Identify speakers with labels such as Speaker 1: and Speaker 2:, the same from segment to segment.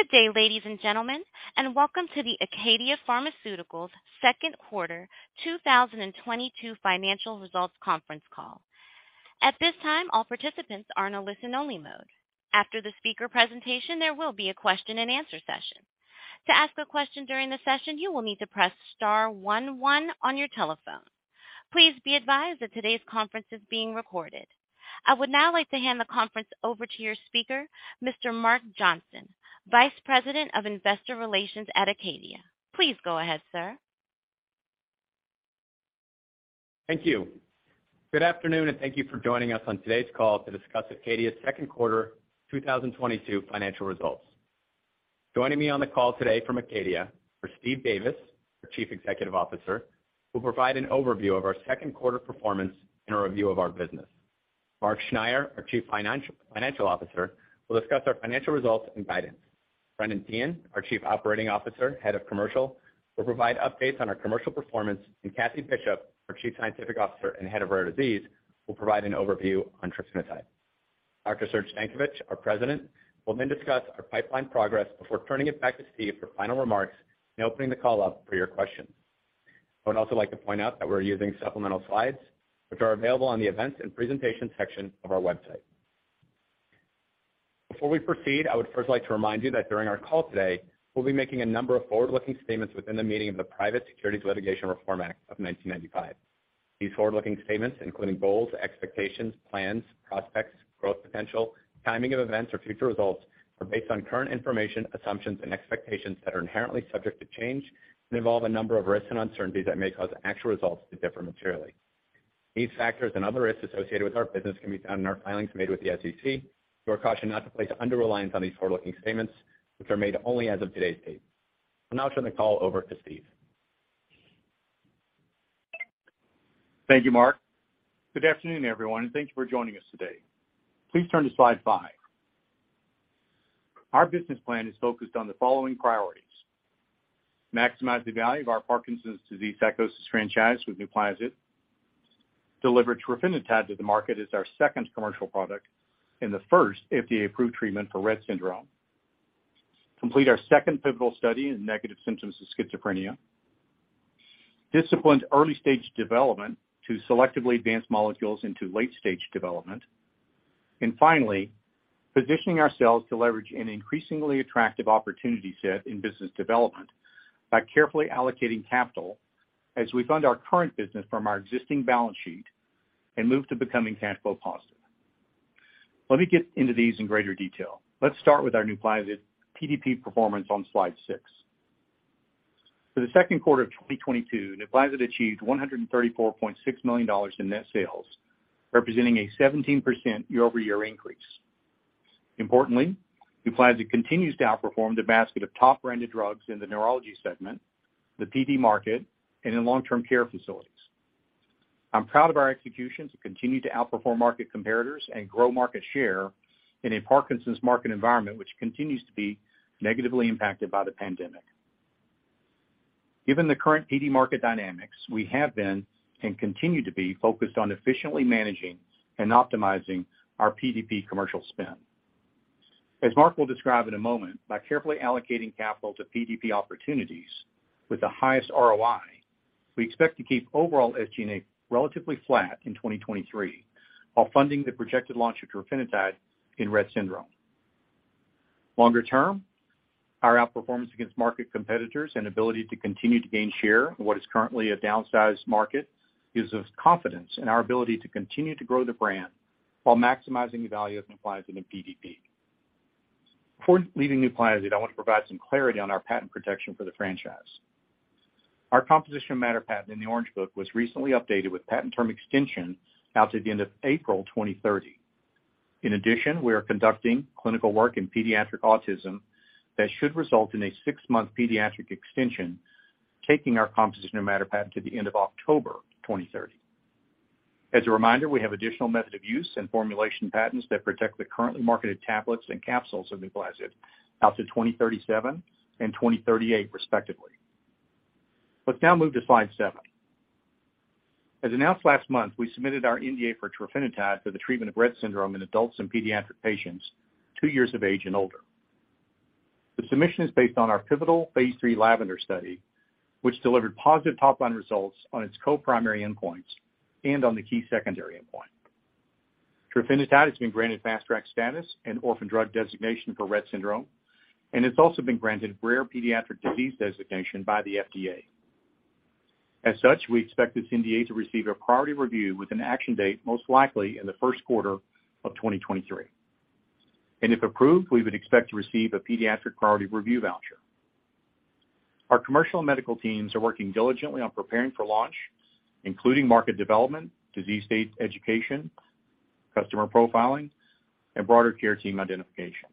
Speaker 1: Good day, ladies and gentlemen, and welcome to the ACADIA Pharmaceuticals second quarter 2022 financial results conference call. At this time, all participants are in a listen-only mode. After the speaker presentation, there will be a question-and-answer session. To ask a question during the session, you will need to press star one one on your telephone. Please be advised that today's conference is being recorded. I would now like to hand the conference over to your speaker, Mr. Mark Johnson, Vice President of Investor Relations at ACADIA. Please go ahead, sir.
Speaker 2: Thank you. Good afternoon, and thank you for joining us on today's call to discuss Acadia's second quarter 2022 financial results. Joining me on the call today from Acadia are Steve Davis, our Chief Executive Officer, who'll provide an overview of our second quarter performance and a review of our business. Mark Schneyer, our Chief Financial Officer, will discuss our financial results and guidance. Brendan Teehan, our Chief Operating Officer, Head of Commercial, will provide updates on our commercial performance. Kathie Bishop, our Chief Scientific Officer and Head of Rare Disease, will provide an overview on trofinetide. Dr. Serge Stankovic, our President, will then discuss our pipeline progress before turning it back to Steve for final remarks and opening the call up for your questions. I would also like to point out that we're using supplemental slides, which are available on the Events and Presentation section of our website. Before we proceed, I would first like to remind you that during our call today, we'll be making a number of forward-looking statements within the meaning of the Private Securities Litigation Reform Act of 1995. These forward-looking statements, including goals, expectations, plans, prospects, growth potential, timing of events or future results, are based on current information, assumptions, and expectations that are inherently subject to change and involve a number of risks and uncertainties that may cause actual results to differ materially. These factors and other risks associated with our business can be found in our filings made with the SEC. You are cautioned not to place undue reliance on these forward-looking statements, which are made only as of today's date. I'll now turn the call over to Steve.
Speaker 3: Thank you, Mark. Good afternoon, everyone, and thank you for joining us today. Please turn to slide five. Our business plan is focused on the following priorities. Maximize the value of our Parkinson's disease psychosis franchise with NUPLAZID, deliver trofinetide to the market as our second commercial product and the first FDA-approved treatment for Rett syndrome, complete our second pivotal study in negative symptoms of schizophrenia, disciplined early-stage development to selectively advance molecules into late-stage development, and finally, positioning ourselves to leverage an increasingly attractive opportunity set in business development by carefully allocating capital as we fund our current business from our existing balance sheet and move to becoming cash flow positive. Let me get into these in greater detail. Let's start with our NUPLAZID PDP performance on slide six. For the second quarter of 2022, NUPLAZID achieved $134.6 million in net sales, representing a 17% year-over-year increase. Importantly, NUPLAZID continues to outperform the basket of top-branded drugs in the neurology segment, the PD market, and in long-term care facilities. I'm proud of our execution to continue to outperform market comparators and grow market share in a Parkinson's market environment, which continues to be negatively impacted by the pandemic. Given the current PD market dynamics, we have been and continue to be focused on efficiently managing and optimizing our PDP commercial spend. As Mark will describe in a moment, by carefully allocating capital to PDP opportunities with the highest ROI, we expect to keep overall SG&A relatively flat in 2023, while funding the projected launch of trofinetide in Rett syndrome. Longer term, our outperformance against market competitors and ability to continue to gain share in what is currently a downsized market gives us confidence in our ability to continue to grow the brand while maximizing the value of NUPLAZID in PDP. Before leaving NUPLAZID, I want to provide some clarity on our patent protection for the franchise. Our composition of matter patent in the Orange Book was recently updated with patent term extension out to the end of April 2030. In addition, we are conducting clinical work in pediatric autism that should result in a six-month pediatric extension, taking our composition of matter patent to the end of October 2030. As a reminder, we have additional method of use and formulation patents that protect the currently marketed tablets and capsules of NUPLAZID out to 2037 and 2038 respectively. Let's now move to slide seven. As announced last month, we submitted our NDA for trofinetide for the treatment of Rett syndrome in adults and pediatric patients 2 years of age and older. The submission is based on our pivotal phase III LAVENDER study, which delivered positive top-line results on its co-primary endpoints and on the key secondary endpoint. Trofinetide has been granted Fast Track Status and Orphan Drug Designation for Rett syndrome, and it's also been granted Rare Pediatric Disease Designation by the FDA. As such, we expect this NDA to receive a priority review with an action date most likely in the first quarter of 2023. If approved, we would expect to receive a pediatric priority review voucher. Our commercial and medical teams are working diligently on preparing for launch, including market development, disease state education, customer profiling, and broader care team identification.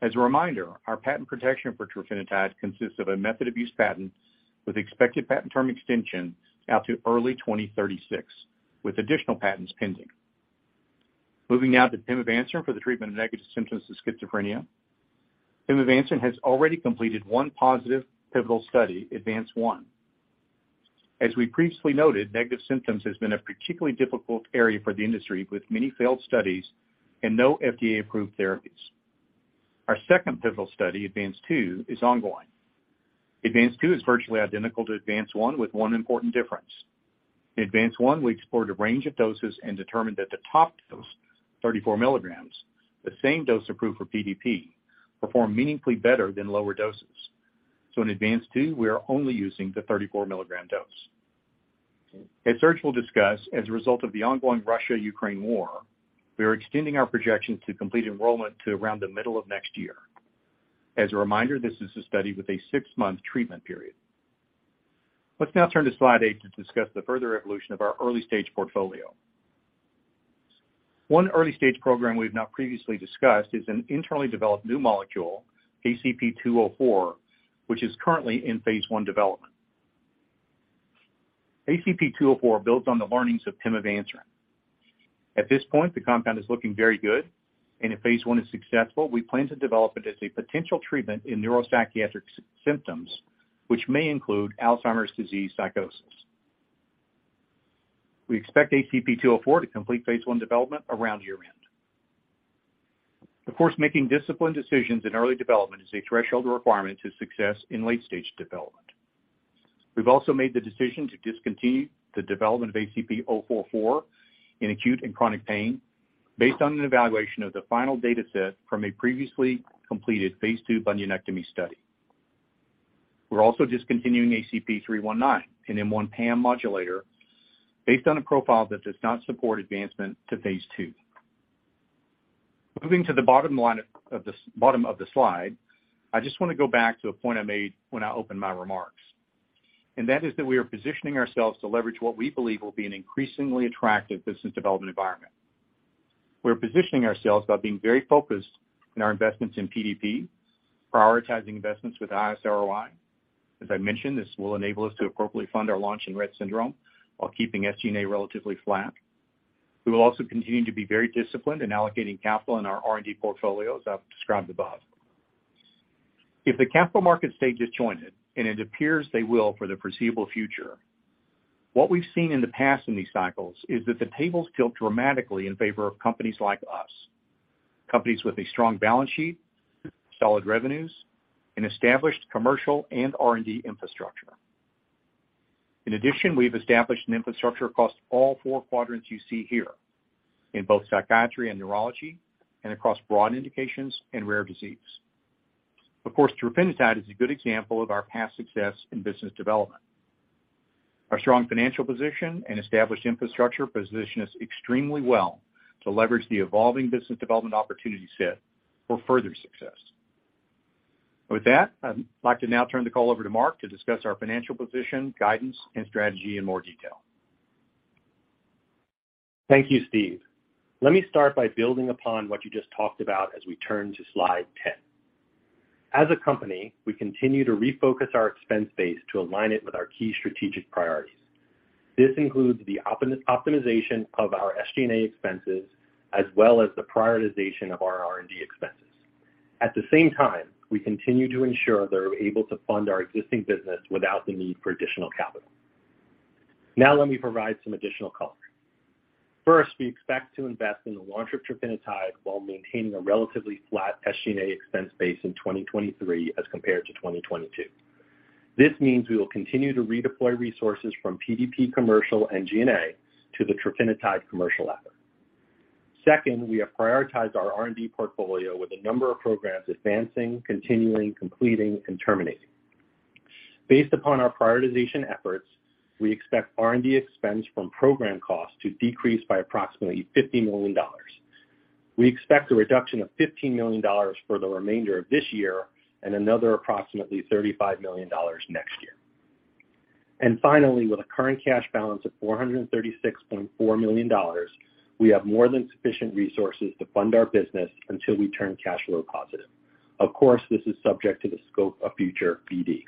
Speaker 3: As a reminder, our patent protection for trofinetide consists of a method of use patent with expected patent term extension out to early 2036, with additional patents pending. Moving now to pimavanserin for the treatment of negative symptoms of schizophrenia. Pimavanserin has already completed one positive pivotal study, ADVANCE-1. As we previously noted, negative symptoms has been a particularly difficult area for the industry, with many failed studies and no FDA-approved therapies. Our second pivotal study, ADVANCE-2, is ongoing. ADVANCE-2 is virtually identical to ADVANCE-1, with one important difference. In ADVANCE-1, we explored a range of doses and determined that the top dose, 34 milligrams, the same dose approved for PDP, performed meaningfully better than lower doses. In ADVANCE-2, we are only using the 34 mg dose. As Serge will discuss, as a result of the ongoing Russia-Ukraine war, we are extending our projections to complete enrollment to around the middle of next year. As a reminder, this is a study with a six-month treatment period. Let's now turn to slide eight to discuss the further evolution of our early-stage portfolio. One early stage program we've not previously discussed is an internally developed new molecule, ACP-204, which is currently in phase I development. ACP-204 builds on the learnings of pimavanserin. At this point, the compound is looking very good, and if phase I is successful, we plan to develop it as a potential treatment in neuropsychiatric symptoms, which may include Alzheimer's disease psychosis. We expect ACP-204 to complete phase I development around year-end. Of course, making disciplined decisions in early development is a threshold requirement to success in late-stage development. We've also made the decision to discontinue the development of ACP-044 in acute and chronic pain based on an evaluation of the final data set from a previously completed phase II bunionectomy study. We're also discontinuing ACP-319, an M1 PAM modulator based on a profile that does not support advancement to phase II. Moving to the bottom of the slide, I just wanna go back to a point I made when I opened my remarks, and that is that we are positioning ourselves to leverage what we believe will be an increasingly attractive business development environment. We're positioning ourselves by being very focused in our investments in PDP, prioritizing investments with highest ROI. As I mentioned, this will enable us to appropriately fund our launch in Rett syndrome while keeping SG&A relatively flat. We will also continue to be very disciplined in allocating capital in our R&D portfolio, as I've described above. If the capital markets stay disjointed, and it appears they will for the foreseeable future, what we've seen in the past in these cycles is that the tables tilt dramatically in favor of companies like us, companies with a strong balance sheet, solid revenues, an established commercial and R&D infrastructure. In addition, we've established an infrastructure across all four quadrants you see here in both psychiatry and neurology and across broad indications and rare disease. Of course, trofinetide is a good example of our past success in business development. Our strong financial position and established infrastructure position us extremely well to leverage the evolving business development opportunity set for further success. With that, I'd like to now turn the call over to Mark to discuss our financial position, guidance, and strategy in more detail.
Speaker 4: Thank you, Steve. Let me start by building upon what you just talked about as we turn to slide 10. As a company, we continue to refocus our expense base to align it with our key strategic priorities. This includes the optimization of our SG&A expenses, as well as the prioritization of our R&D expenses. At the same time, we continue to ensure that we're able to fund our existing business without the need for additional capital. Now let me provide some additional color. First, we expect to invest in the launch of trofinetide while maintaining a relatively flat SG&A expense base in 2023 as compared to 2022. This means we will continue to redeploy resources from PDP commercial and G&A to the trofinetide commercial effort. Second, we have prioritized our R&D portfolio with a number of programs advancing, continuing, completing, and terminating. Based upon our prioritization efforts, we expect R&D expense from program costs to decrease by approximately $50 million. We expect a reduction of $15 million for the remainder of this year and another approximately $35 million next year. Finally, with a current cash balance of $436.4 million, we have more than sufficient resources to fund our business until we turn cash flow positive. Of course, this is subject to the scope of future BD.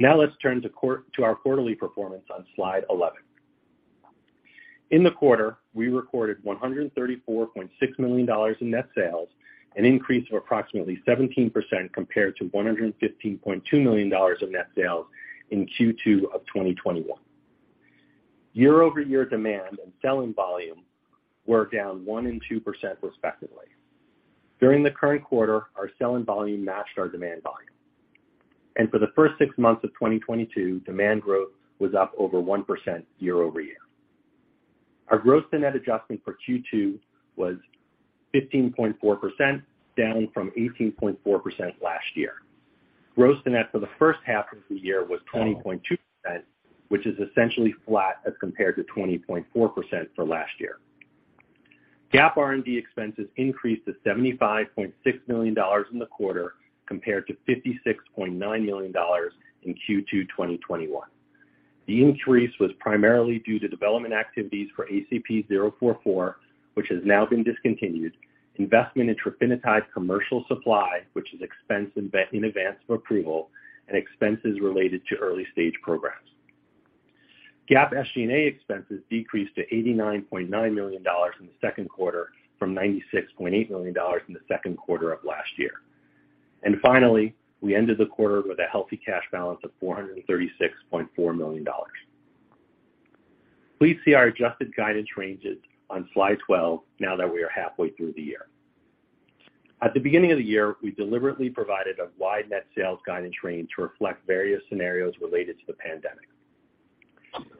Speaker 4: Now let's turn to our quarterly performance on slide 11. In the quarter, we recorded $134.6 million in net sales, an increase of approximately 17% compared to $115.2 million of net sales in Q2 of 2021. Year-over-year demand and sell-in volume were down 1% and 2% respectively. During the current quarter, our sell-in volume matched our demand volume. For the first six months of 2022, demand growth was up over 1% year-over-year. Our gross-to-net adjustment for Q2 was 15.4%, down from 18.4% last year. Gross-to-net for the first half of the year was 20.2%, which is essentially flat as compared to 20.4% for last year. GAAP R&D expenses increased to $75.6 million in the quarter compared to $56.9 million in Q2 2021. The increase was primarily due to development activities for ACP-044, which has now been discontinued, investment in trofinetide commercial supply, which is expensed in advance of approval, and expenses related to early stage programs. GAAP SG&A expenses decreased to $89.9 million in the second quarter from $96.8 million in the second quarter of last year. Finally, we ended the quarter with a healthy cash balance of $436.4 million. Please see our adjusted guidance ranges on slide 12 now that we are halfway through the year. At the beginning of the year, we deliberately provided a wide net sales guidance range to reflect various scenarios related to the pandemic.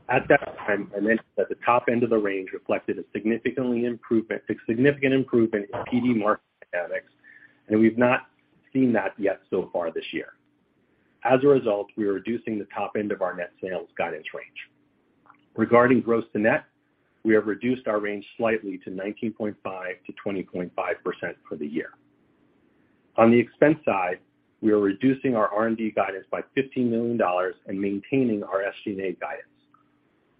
Speaker 4: At that time, I mentioned that the top end of the range reflected a significant improvement in PD market dynamics, and we've not seen that yet so far this year. As a result, we are reducing the top end of our net sales guidance range. Regarding gross to net, we have reduced our range slightly to 19.5%-20.5% for the year. On the expense side, we are reducing our R&D guidance by $15 million and maintaining our SG&A guidance.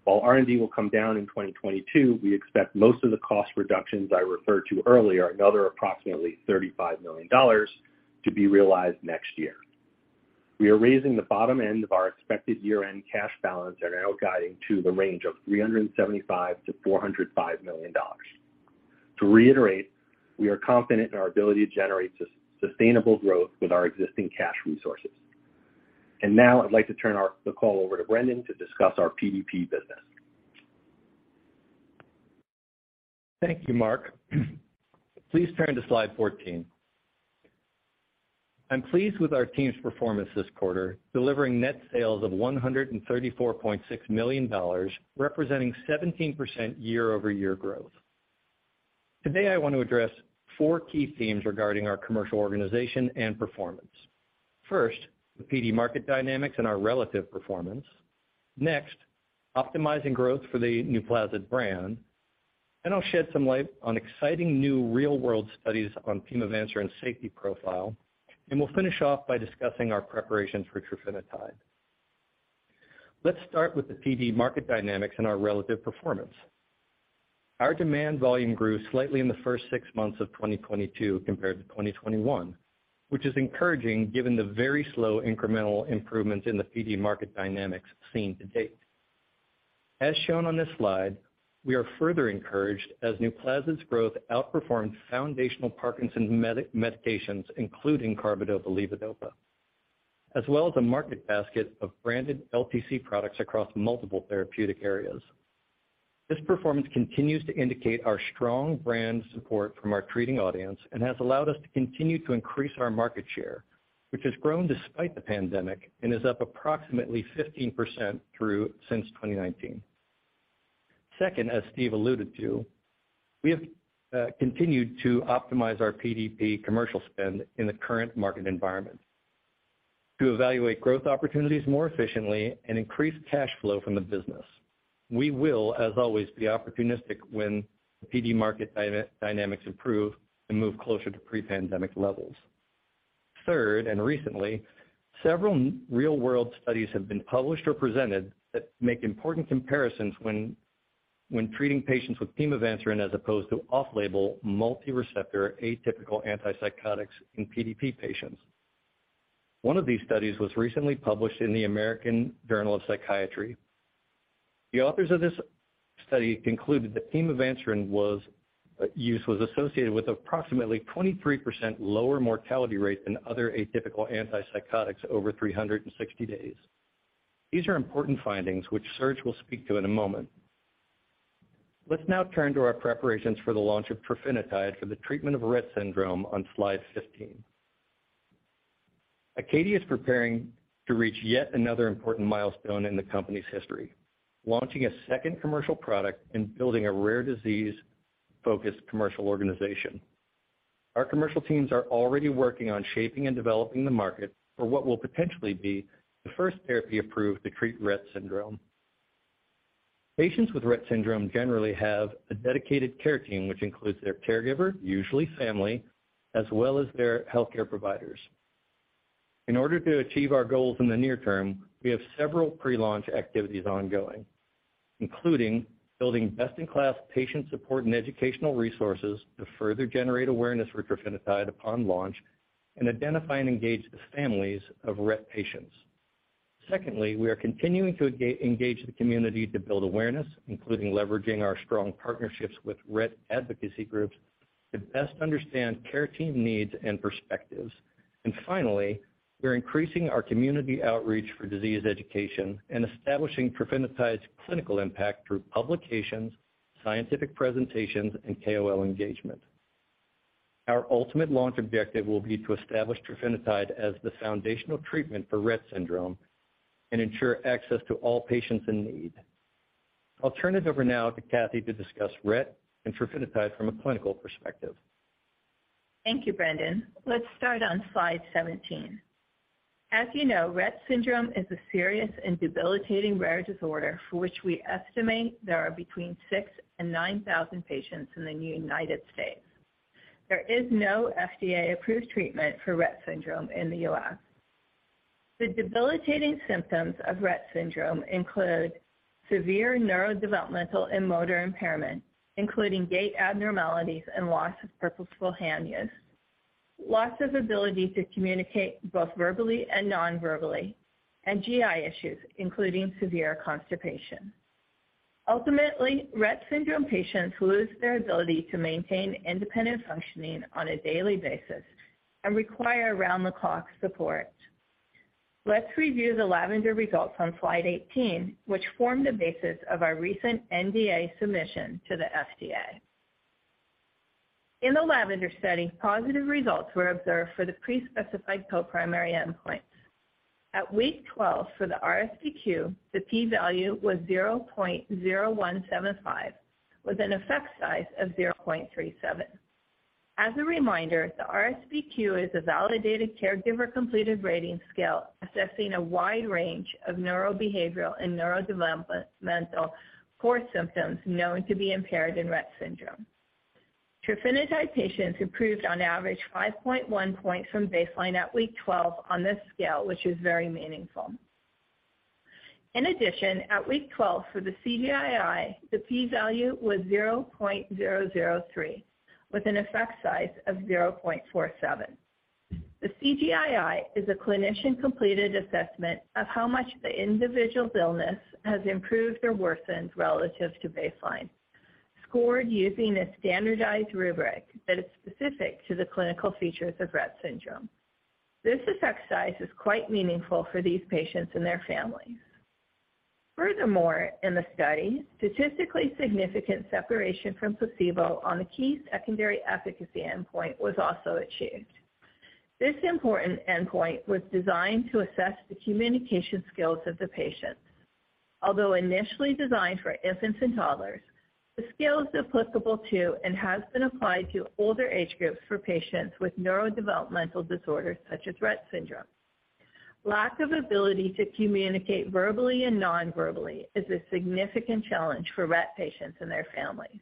Speaker 4: While R&D will come down in 2022, we expect most of the cost reductions I referred to earlier, another approximately $35 million to be realized next year. We are raising the bottom end of our expected year-end cash balance and are now guiding to the range of $375 million-$405 million. To reiterate, we are confident in our ability to generate sustainable growth with our existing cash resources. Now I'd like to turn the call over to Brendan to discuss our PDP business.
Speaker 5: Thank you, Mark. Please turn to slide 14. I'm pleased with our team's performance this quarter, delivering net sales of $134.6 million, representing 17% year-over-year growth. Today, I want to address four key themes regarding our commercial organization and performance. First, the PD market dynamics and our relative performance. Next, optimizing growth for the NUPLAZID brand. I'll shed some light on exciting new real-world studies on pimavanserin safety profile. We'll finish off by discussing our preparations for trofinetide. Let's start with the PD market dynamics and our relative performance. Our demand volume grew slightly in the first six months of 2022 compared to 2021, which is encouraging given the very slow incremental improvements in the PD market dynamics seen to date. As shown on this slide, we are further encouraged as NUPLAZID's growth outperformed foundational Parkinson's medications, including carbidopa/levodopa, as well as a market basket of branded LTC products across multiple therapeutic areas. This performance continues to indicate our strong brand support from our treating audience and has allowed us to continue to increase our market share, which has grown despite the pandemic and is up approximately 15% through since 2019. Second, as Steve alluded to, we have continued to optimize our PDP commercial spend in the current market environment to evaluate growth opportunities more efficiently and increase cash flow from the business. We will, as always, be opportunistic when the PD market dynamics improve and move closer to pre-pandemic levels. Third, recently, several real-world studies have been published or presented that make important comparisons when treating patients with pimavanserin as opposed to off-label multi-receptor atypical antipsychotics in PDP patients. One of these studies was recently published in The American Journal of Psychiatry. The authors of this study concluded that pimavanserin use was associated with approximately 23% lower mortality rate than other atypical antipsychotics over 360 days. These are important findings which Serge will speak to in a moment. Let's now turn to our preparations for the launch of trofinetide for the treatment of Rett syndrome on slide 15. Acadia is preparing to reach yet another important milestone in the company's history, launching a second commercial product and building a rare disease-focused commercial organization. Our commercial teams are already working on shaping and developing the market for what will potentially be the first therapy approved to treat Rett syndrome. Patients with Rett syndrome generally have a dedicated care team, which includes their caregiver, usually family, as well as their healthcare providers. In order to achieve our goals in the near term, we have several pre-launch activities ongoing, including building best-in-class patient support and educational resources to further generate awareness for trofinetide upon launch and identify and engage the families of Rett patients. Secondly, we are continuing to engage the community to build awareness, including leveraging our strong partnerships with Rett advocacy groups to best understand care team needs and perspectives. Finally, we're increasing our community outreach for disease education and establishing trofinetide's clinical impact through publications, scientific presentations, and KOL engagement. Our ultimate launch objective will be to establish trofinetide as the foundational treatment for Rett syndrome and ensure access to all patients in need. I'll turn it over now to Kathie to discuss Rett and trofinetide from a clinical perspective.
Speaker 6: Thank you, Brendan. Let's start on slide 17. As you know, Rett syndrome is a serious and debilitating rare disorder for which we estimate there are between 6,000 patients and 9,000 patients in the United States. There is no FDA-approved treatment for Rett syndrome in the U.S. The debilitating symptoms of Rett syndrome include severe neurodevelopmental and motor impairment, including gait abnormalities and loss of purposeful hand use. Lots of ability to communicate both verbally and non-verbally, and GI issues, including severe constipation. Ultimately, Rett syndrome patients lose their ability to maintain independent functioning on a daily basis and require round-the-clock support. Let's review the LAVENDER results on slide 18, which formed the basis of our recent NDA submission to the FDA. In the LAVENDER study, positive results were observed for the pre-specified co-primary endpoints. At week 12 for the RSBQ, the P value was 0.0175, with an effect size of 0.37. As a reminder, the RSBQ is a validated caregiver-completed rating scale assessing a wide range of neurobehavioral and neurodevelopmental core symptoms known to be impaired in Rett syndrome. Trofinetide patients improved on average 5.1 points from baseline at week 12 on this scale, which is very meaningful. In addition, at week 12 for the CGI-I, the P value was 0.003, with an effect size of 0.47. The CGI-I is a clinician-completed assessment of how much the individual's illness has improved or worsened relative to baseline, scored using a standardized rubric that is specific to the clinical features of Rett syndrome. This effect size is quite meaningful for these patients and their families. Furthermore, in the study, statistically significant separation from placebo on the key secondary efficacy endpoint was also achieved. This important endpoint was designed to assess the communication skills of the patients. Although initially designed for infants and toddlers, the scale is applicable to and has been applied to older age groups for patients with neurodevelopmental disorders such as Rett syndrome. Lack of ability to communicate verbally and non-verbally is a significant challenge for Rett patients and their families.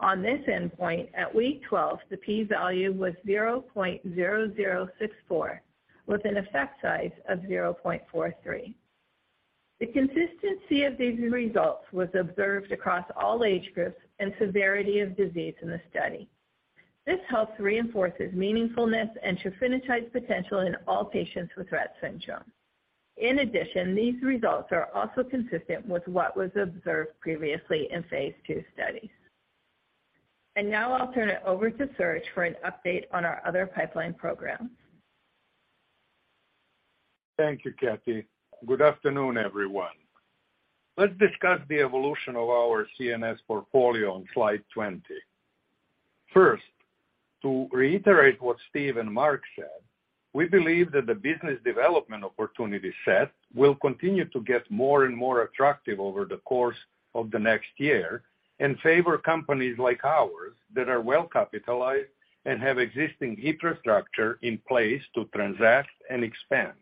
Speaker 6: On this endpoint, at week 12, the P value was 0.0064, with an effect size of 0.43. The consistency of these results was observed across all age groups and severity of disease in the study. This helps reinforces meaningfulness and trofinetide's potential in all patients with Rett syndrome. In addition, these results are also consistent with what was observed previously in phase II studies. Now I'll turn it over to Serge for an update on our other pipeline programs.
Speaker 7: Thank you, Kathie. Good afternoon, everyone. Let's discuss the evolution of our CNS portfolio on slide 20. First, to reiterate what Steve and Mark said, we believe that the business development opportunity set will continue to get more and more attractive over the course of the next year and favor companies like ours that are well-capitalized and have existing infrastructure in place to transact and expand.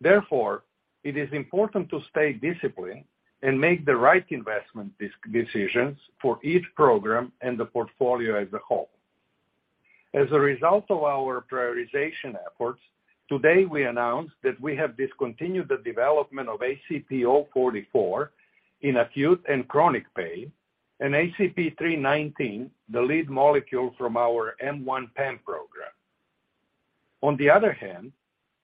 Speaker 7: Therefore, it is important to stay disciplined and make the right investment decisions for each program and the portfolio as a whole. As a result of our prioritization efforts, today we announced that we have discontinued the development of ACP-044 in acute and chronic pain and ACP-319, the lead molecule from our M1 PAM program. On the other hand,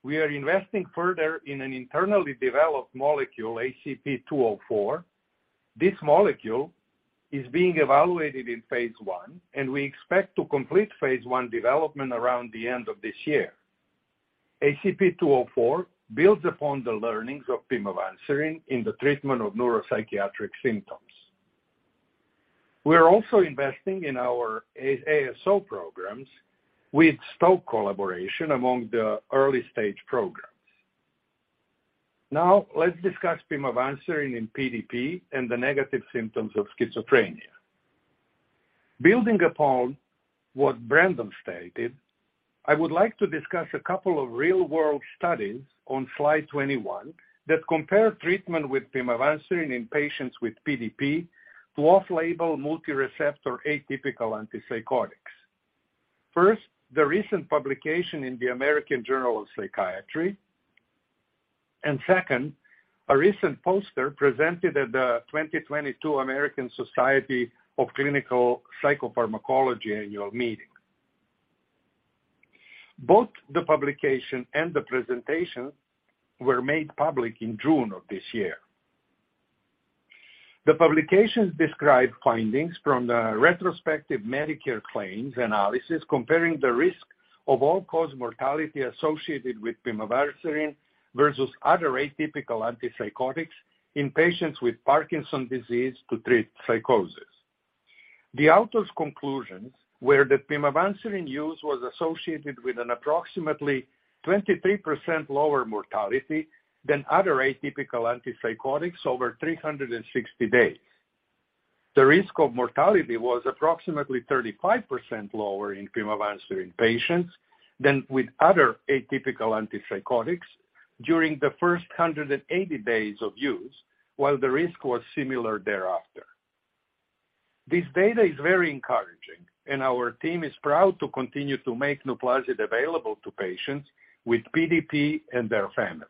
Speaker 7: we are investing further in an internally developed molecule, ACP204. This molecule is being evaluated in phase 1, and we expect to complete phase I development around the end of this year. ACP-204 builds upon the learnings of pimavanserin in the treatment of neuropsychiatric symptoms. We are also investing in our ASO programs with Stoke collaboration among the early-stage programs. Now let's discuss pimavanserin in PDP and the negative symptoms of schizophrenia. Building upon what Brendan stated, I would like to discuss a couple of real-world studies on slide 21 that compare treatment with pimavanserin in patients with PDP to off-label multi-receptor atypical antipsychotics. First, the recent publication in the American Journal of Psychiatry, and second, a recent poster presented at the 2022 American Society of Clinical Psychopharmacology annual meeting. Both the publication and the presentation were made public in June of this year. The publications describe findings from the retrospective Medicare claims analysis comparing the risk of all-cause mortality associated with pimavanserin versus other atypical antipsychotics in patients with Parkinson's disease to treat psychosis. The author's conclusions were that pimavanserin use was associated with an approximately 23% lower mortality than other atypical antipsychotics over 360 days. The risk of mortality was approximately 35% lower in pimavanserin patients than with other atypical antipsychotics during the first 180 days of use, while the risk was similar thereafter. This data is very encouraging, and our team is proud to continue to make NUPLAZID available to patients with PDP and their families.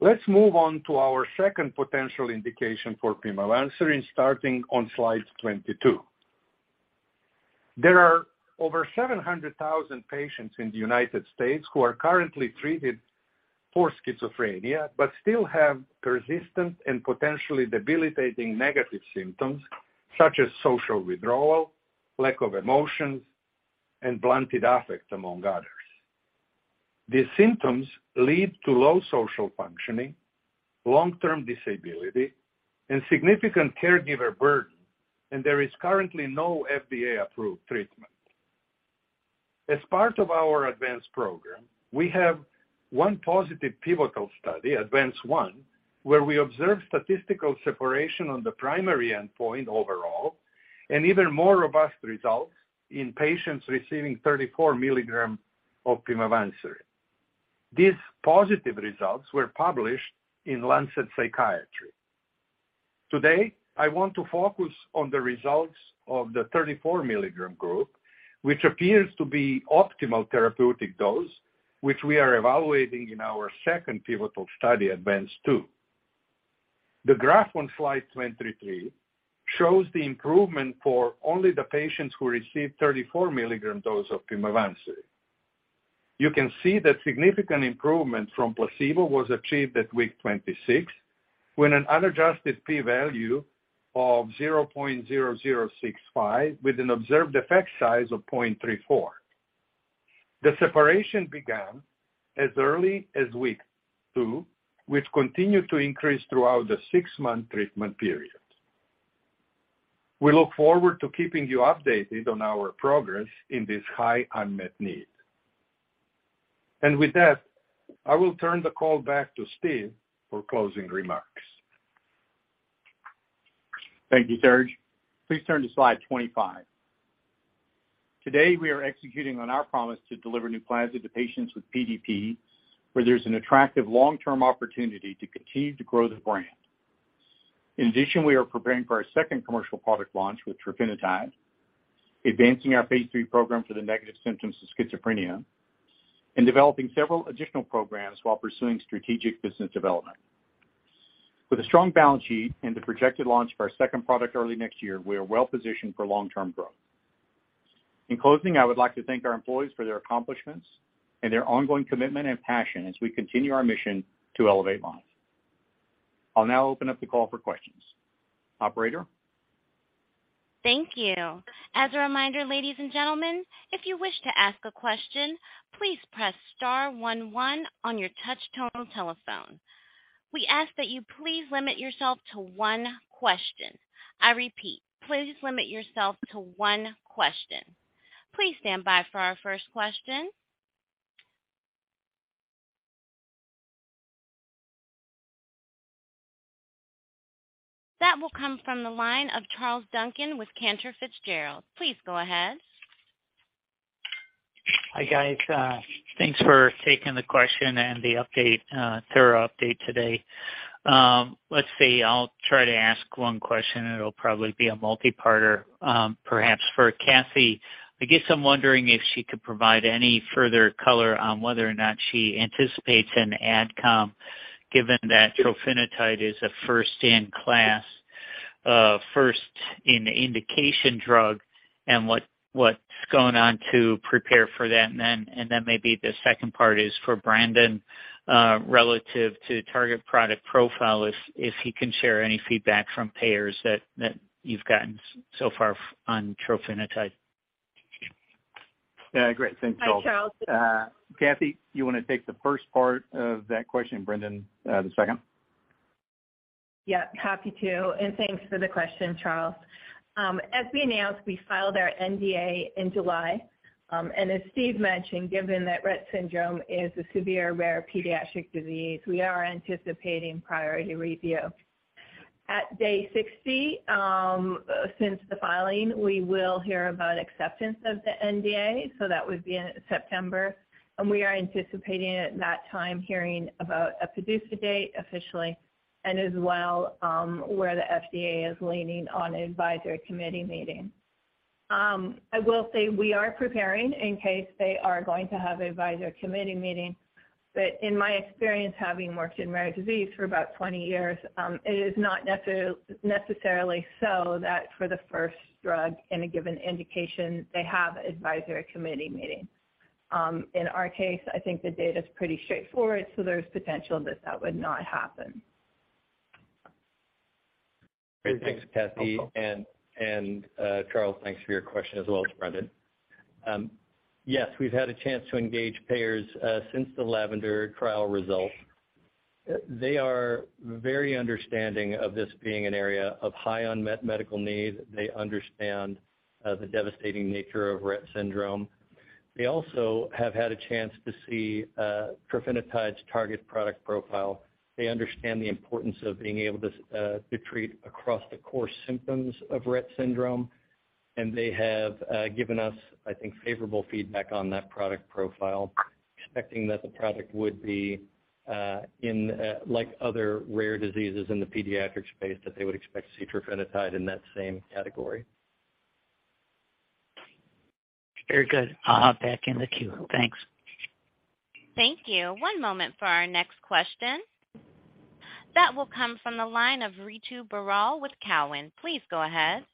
Speaker 7: Let's move on to our second potential indication for pimavanserin, starting on slide 22. There are over 700,000 patients in the United States who are currently treated for schizophrenia, but still have persistent and potentially debilitating negative symptoms such as social withdrawal, lack of emotions, and blunted affect, among others. These symptoms lead to low social functioning, long-term disability, and significant caregiver burden, and there is currently no FDA-approved treatment. As part of our ADVANCE program, we have one positive pivotal study, ADVANCE-1, where we observe statistical separation on the primary endpoint overall and even more robust results in patients receiving 34 milligrams of pimavanserin. These positive results were published in Lancet Psychiatry. Today, I want to focus on the results of the 34 mg group, which appears to be optimal therapeutic dose, which we are evaluating in our second pivotal study, ADVANCE-2. The graph on slide 23 shows the improvement for only the patients who received 34-mg dose of pimavanserin. You can see that significant improvement from placebo was achieved at week 26, with an unadjusted P value of 0.0065, with an observed effect size of 0.34. The separation began as early as week two, which continued to increase throughout the six-month treatment period. We look forward to keeping you updated on our progress in this high unmet need. With that, I will turn the call back to Steve for closing remarks.
Speaker 3: Thank you, Serge. Please turn to slide 25. Today, we are executing on our promise to deliver NUPLAZID to patients with PDP, where there's an attractive long-term opportunity to continue to grow the brand. In addition, we are preparing for our second commercial product launch with trofinetide, advancing our phase III program for the negative symptoms of schizophrenia, and developing several additional programs while pursuing strategic business development. With a strong balance sheet and the projected launch of our second product early next year, we are well-positioned for long-term growth. In closing, I would like to thank our employees for their accomplishments and their ongoing commitment and passion as we continue our mission to elevate lives. I'll now open up the call for questions. Operator?
Speaker 1: Thank you. As a reminder, ladies and gentlemen, if you wish to ask a question, please press star one one on your touch-tone telephone. We ask that you please limit yourself to one question. I repeat, please limit yourself to one question. Please stand by for our first question. That will come from the line of Charles Duncan with Cantor Fitzgerald. Please go ahead.
Speaker 8: Hi, guys. Thanks for taking the question and the update, thorough update today. Let's see. I'll try to ask one question, and it'll probably be a multi-parter. Perhaps for Kathie. I guess I'm wondering if she could provide any further color on whether or not she anticipates an adcom, given that trofinetide is a first-in-class, first in indication drug and what's going on to prepare for that. And then maybe the second part is for Brendan, relative to target product profile, if he can share any feedback from payers that you've gotten so far on trofinetide.
Speaker 3: Yeah. Great. Thanks, Charles.
Speaker 6: Hi, Charles.
Speaker 3: Kathie, you wanna take the first part of that question, Brendan, the second?
Speaker 6: Yeah, happy to, and thanks for the question, Charles. As we announced, we filed our NDA in July. As Steve mentioned, given that Rett syndrome is a severe rare pediatric disease, we are anticipating priority review. At day 60, since the filing, we will hear about acceptance of the NDA, so that would be in September. We are anticipating at that time hearing about a PDUFA date officially and as well, where the FDA is leaning on advisory committee meeting. I will say we are preparing in case they are going to have advisory committee meeting. In my experience, having worked in rare disease for about 20 years, it is not necessarily so that for the first drug in a given indication, they have advisory committee meeting. In our case, I think the data's pretty straightforward, so there's potential that that would not happen.
Speaker 5: Great. Thanks, Kathie. Charles, thanks for your question, as well as Brendan. Yes, we've had a chance to engage payers since the LAVENDER trial results. They are very understanding of this being an area of high unmet medical need. They understand the devastating nature of Rett syndrome. They also have had a chance to see trofinetide's target product profile. They understand the importance of being able to treat across the core symptoms of Rett syndrome, and they have given us, I think, favorable feedback on that product profile, expecting that the product would be, in like other rare diseases in the pediatric space, that they would expect to see trofinetide in that same category.
Speaker 8: Very good. I'll hop back in the queue. Thanks.
Speaker 1: Thank you. One moment for our next question. That will come from the line of Ritu Baral with Cowen. Please go ahead.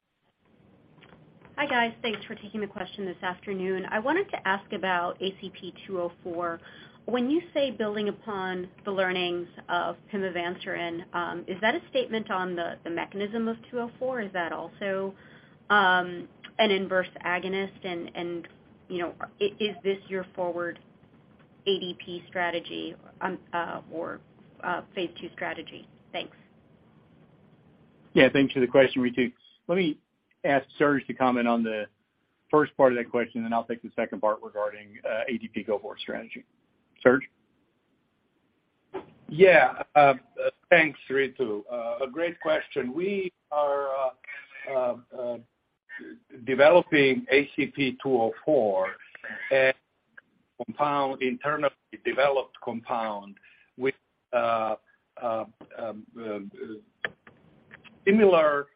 Speaker 9: Hi, guys. Thanks for taking the question this afternoon. I wanted to ask about ACP-204. When you say building upon the learnings of pimavanserin, is that a statement on the mechanism of 204? Is that also an inverse agonist and, you know, is this your forward ADP strategy on or phase two strategy? Thanks.
Speaker 3: Yeah. Thanks for the question, Ritu. Let me ask Serge to comment on the first part of that question, and I'll take the second part regarding, ADP go forward strategy. Serge?
Speaker 7: Yeah. Thanks, Ritu. A great question. We are developing ACP-204, a compound, internally developed compound with similar,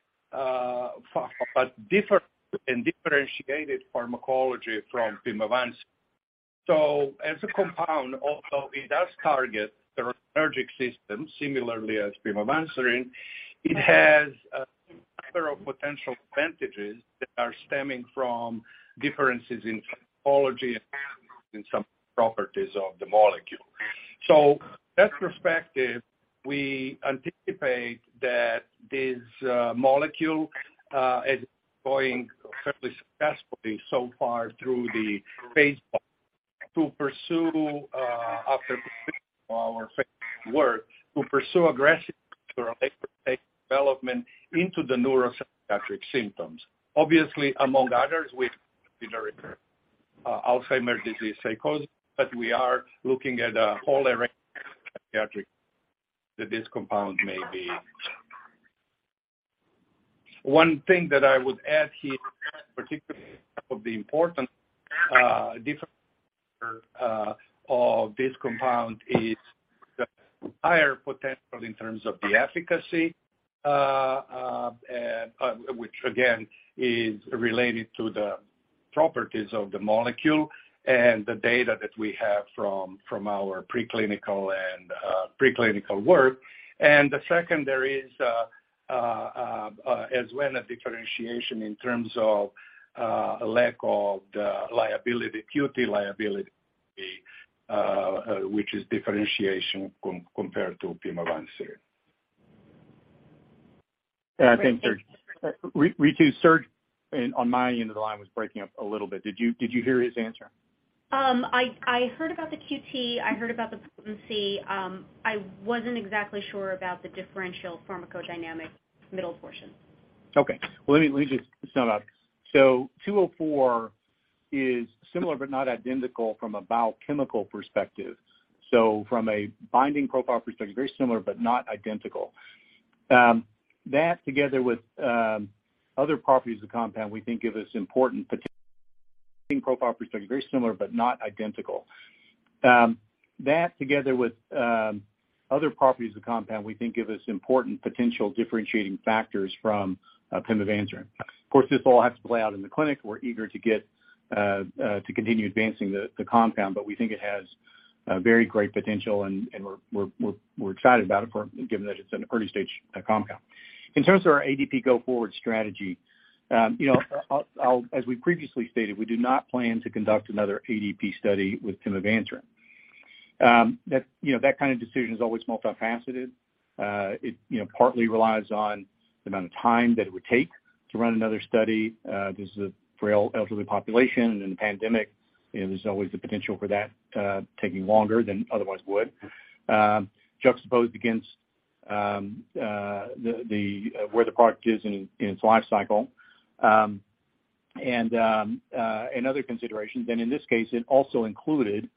Speaker 7: but different and differentiated pharmacology from pimavanserin. As a compound, although it does target the serotonergic system similarly as pimavanserin, it has a number of potential advantages that are stemming from differences in pathology and some properties of the molecule. That perspective, we anticipate that this molecule is going fairly successfully so far through the phase 1 to pursue, after our work, aggressive development into the neuropsychiatric symptoms. Obviously, among others, we consider it Alzheimer's disease psychosis, but we are looking at a whole array of psychiatric that this compound may be. One thing that I would add here, particularly one of the important difference of this compound is the higher potential in terms of the efficacy, which again, is related to the properties of the molecule and the data that we have from our preclinical work. The second, there is as well a differentiation in terms of lack of the QT liability, which is differentiation compared to pimavanserin.
Speaker 3: Yeah. Thanks, Serge. Ritu, Serge on my end of the line was breaking up a little bit. Did you hear his answer?
Speaker 9: I heard about the QT. I heard about the potency. I wasn't exactly sure about the differential pharmacodynamic middle portion.
Speaker 3: Okay. Well, let me just sum up. 204 is similar but not identical from a biochemical perspective. From a binding profile perspective, very similar but not identical. That together with other properties of compound, we think give us important potential differentiating factors from pimavanserin. Of course, this all has to play out in the clinic. We're eager to get to continue advancing the compound, but we think it has very great potential, and we're excited about it, given that it's an early-stage compound. In terms of our ADP go forward strategy, as we previously stated, we do not plan to conduct another ADP study with pimavanserin. That kind of decision is always multifaceted. It partly relies on the amount of time that it would take to run another study. This is a frail elderly population, and the pandemic, there's always the potential for that taking longer than otherwise would. Juxtaposed against where the product is in its life cycle and other considerations. In this case, it also included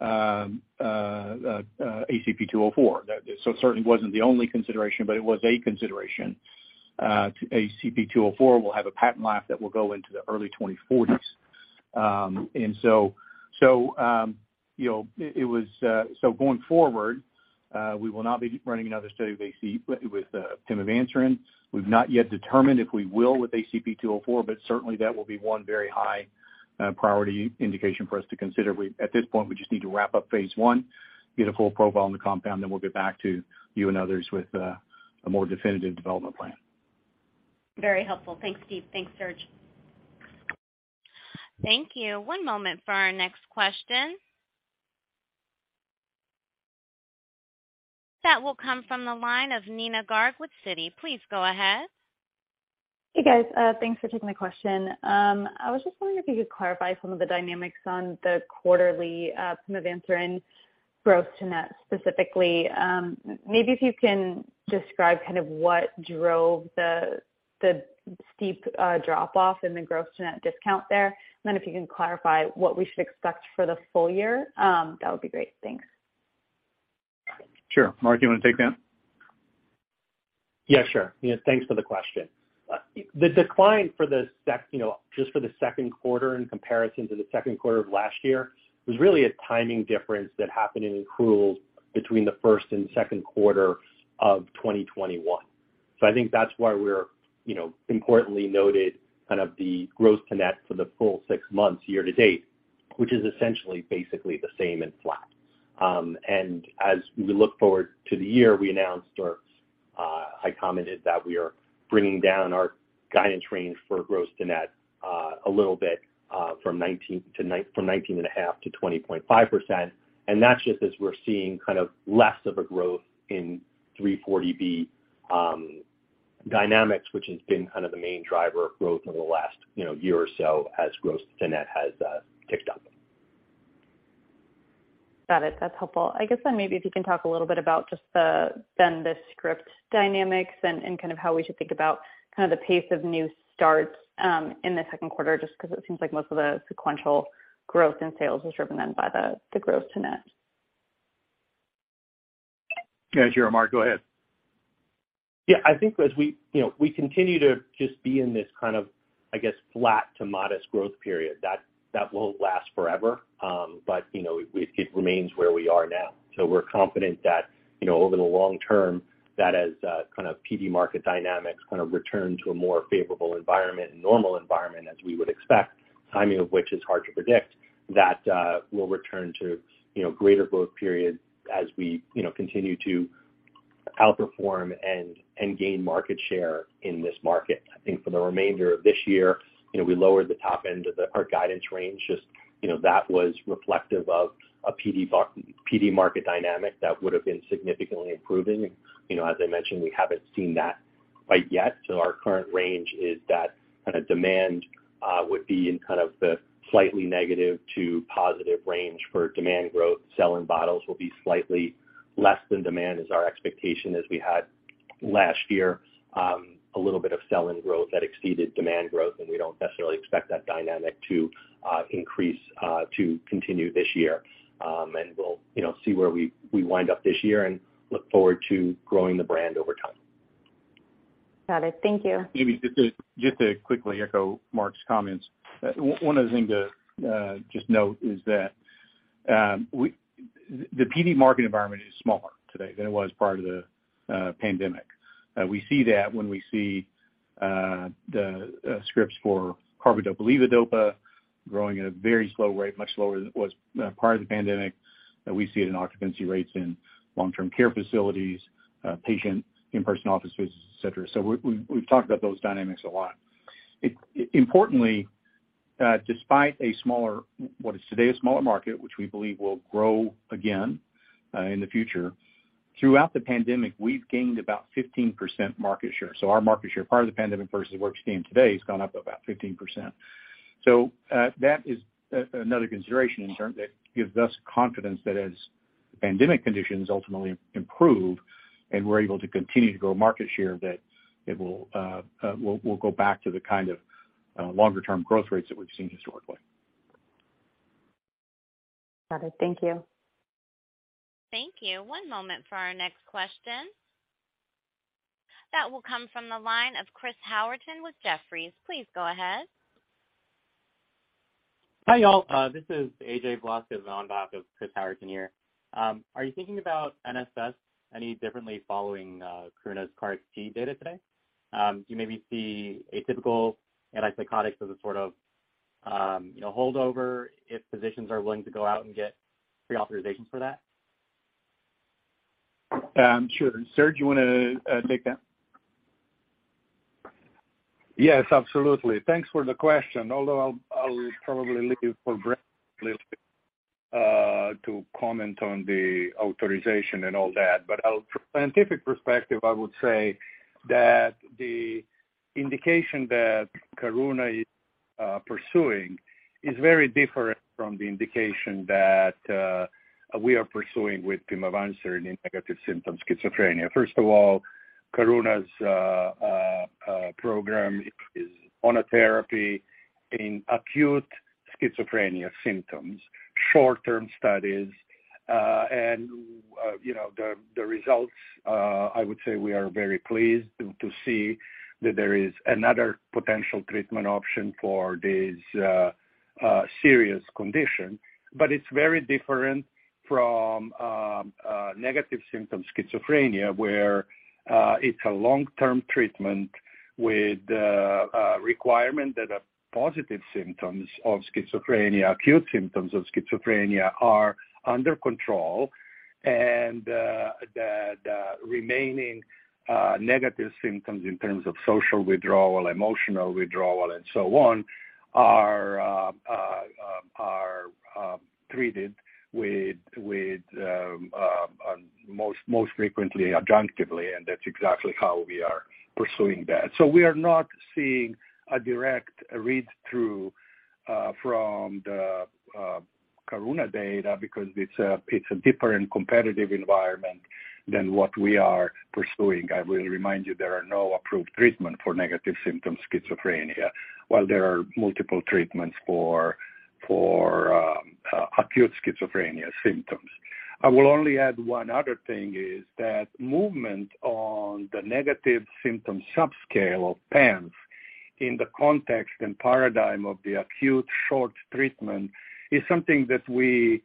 Speaker 3: ACP-204. It certainly wasn't the only consideration, but it was a consideration. ACP-204 will have a patent life that will go into the early 2040s. You know, going forward, we will not be running another study with pimavanserin. We've not yet determined if we will with ACP-204, but certainly that will be one very high priority indication for us to consider. At this point, we just need to wrap up phase I, get a full profile on the compound, then we'll get back to you and others with a more definitive development plan.
Speaker 9: Very helpful. Thanks, Steve. Thanks, Serge.
Speaker 1: Thank you. One moment for our next question. That will come from the line of Neena Garg with Citi. Please go ahead.
Speaker 10: Hey, guys. Thanks for taking the question. I was just wondering if you could clarify some of the dynamics on the quarterly pimavanserin gross to net specifically. Maybe if you can describe kind of what drove the steep drop-off in the gross to net discount there. If you can clarify what we should expect for the full year, that would be great. Thanks.
Speaker 3: Sure. Mark, you wanna take that?
Speaker 4: Yeah, sure. Yeah. Thanks for the question. The decline for the second quarter in comparison to the second quarter of last year was really a timing difference that happened in accruals between the first and second quarter of 2021. I think that's why we're, you know, importantly noted kind of the gross to net for the full six months year-to-date, which is essentially basically the same and flat. As we look forward to the year, we announced or I commented that we are bringing down our guidance range for gross to net a little bit from 19.5% to 20.5%. That's just as we're seeing kind of less of a growth in 340B dynamics, which has been kind of the main driver of growth over the last, you know, year or so as gross-to-net has ticked up.
Speaker 10: Got it. That's helpful. I guess then maybe if you can talk a little bit about just the script dynamics and kind of how we should think about kind of the pace of new starts in the second quarter, just 'cause it seems like most of the sequential growth in sales is driven then by the gross-to-net.
Speaker 3: Yeah, sure, Mark, go ahead.
Speaker 4: Yeah, I think as we, you know, we continue to just be in this kind of, I guess, flat to modest growth period, that won't last forever, but you know, it remains where we are now. We're confident that, you know, over the long term that as kind of PD market dynamics kind of return to a more favorable environment and normal environment as we would expect, timing of which is hard to predict, that we'll return to, you know, greater growth periods as we, you know, continue to outperform and gain market share in this market. I think for the remainder of this year, you know, we lowered the top end of our guidance range, just, you know, that was reflective of a PD market dynamic that would have been significantly improving. You know, as I mentioned, we haven't seen that quite yet, so our current range is that kind of demand would be in kind of the slightly negative to positive range for demand growth. Sell-in bottles will be slightly less than demand is our expectation as we had last year, a little bit of sell-in growth that exceeded demand growth, and we don't necessarily expect that dynamic to continue this year. We'll, you know, see where we wind up this year and look forward to growing the brand over time.
Speaker 10: Got it. Thank you.
Speaker 3: Amy, just to quickly echo Mark's comments. One other thing to just note is that the PD market environment is smaller today than it was prior to the pandemic. We see that when we see the scripts for carbidopa/levodopa growing at a very slow rate, much slower than it was prior to the pandemic, that we see it in occupancy rates in long-term care facilities, patient in-person office visits, et cetera. We've talked about those dynamics a lot. Importantly, despite a smaller, what is today a smaller market, which we believe will grow again in the future, throughout the pandemic, we've gained about 15% market share. Our market share prior to the pandemic versus where it's standing today has gone up about 15%. That is another consideration in terms that gives us confidence that as the pandemic conditions ultimately improve and we're able to continue to grow market share, that it will, we'll go back to the kind of longer term growth rates that we've seen historically.
Speaker 10: Got it. Thank you.
Speaker 1: Thank you. One moment for our next question. That will come from the line of Chris Howerton with Jefferies. Please go ahead.
Speaker 11: Hi, y'all. This is AJ Blaska on behalf of Chris Howerton here. Are you thinking about NSS any differently following Karuna's KarXT data today? Do you maybe see atypical antipsychotics as a sort of, you know, holdover if physicians are willing to go out and get pre-authorizations for that?
Speaker 3: Sure. Serge, you wanna take that?
Speaker 7: Yes, absolutely. Thanks for the question, although I'll probably leave for Brett to comment on the authorization and all that. From scientific perspective, I would say that the indication that Karuna is pursuing is very different from the indication that we are pursuing with pimavanserin in negative symptom schizophrenia. First of all, Karuna's program is monotherapy in acute schizophrenia symptoms, short-term studies. You know, the results, I would say we are very pleased to see that there is another potential treatment option for this serious condition. It's very different from negative symptom schizophrenia, where it's a long-term treatment with the requirement that a positive symptoms of schizophrenia, acute symptoms of schizophrenia are under control, and the remaining negative symptoms in terms of social withdrawal, emotional withdrawal, and so on are treated with most frequently adjunctively, and that's exactly how we are pursuing that. We are not seeing a direct read-through from the Karuna data because it's a different competitive environment than what we are pursuing. I will remind you there are no approved treatment for negative symptom schizophrenia, while there are multiple treatments for acute schizophrenia symptoms. I will only add one other thing is that movement on the negative symptom subscale of PANSS. In the context and paradigm of the acute short treatment is something that we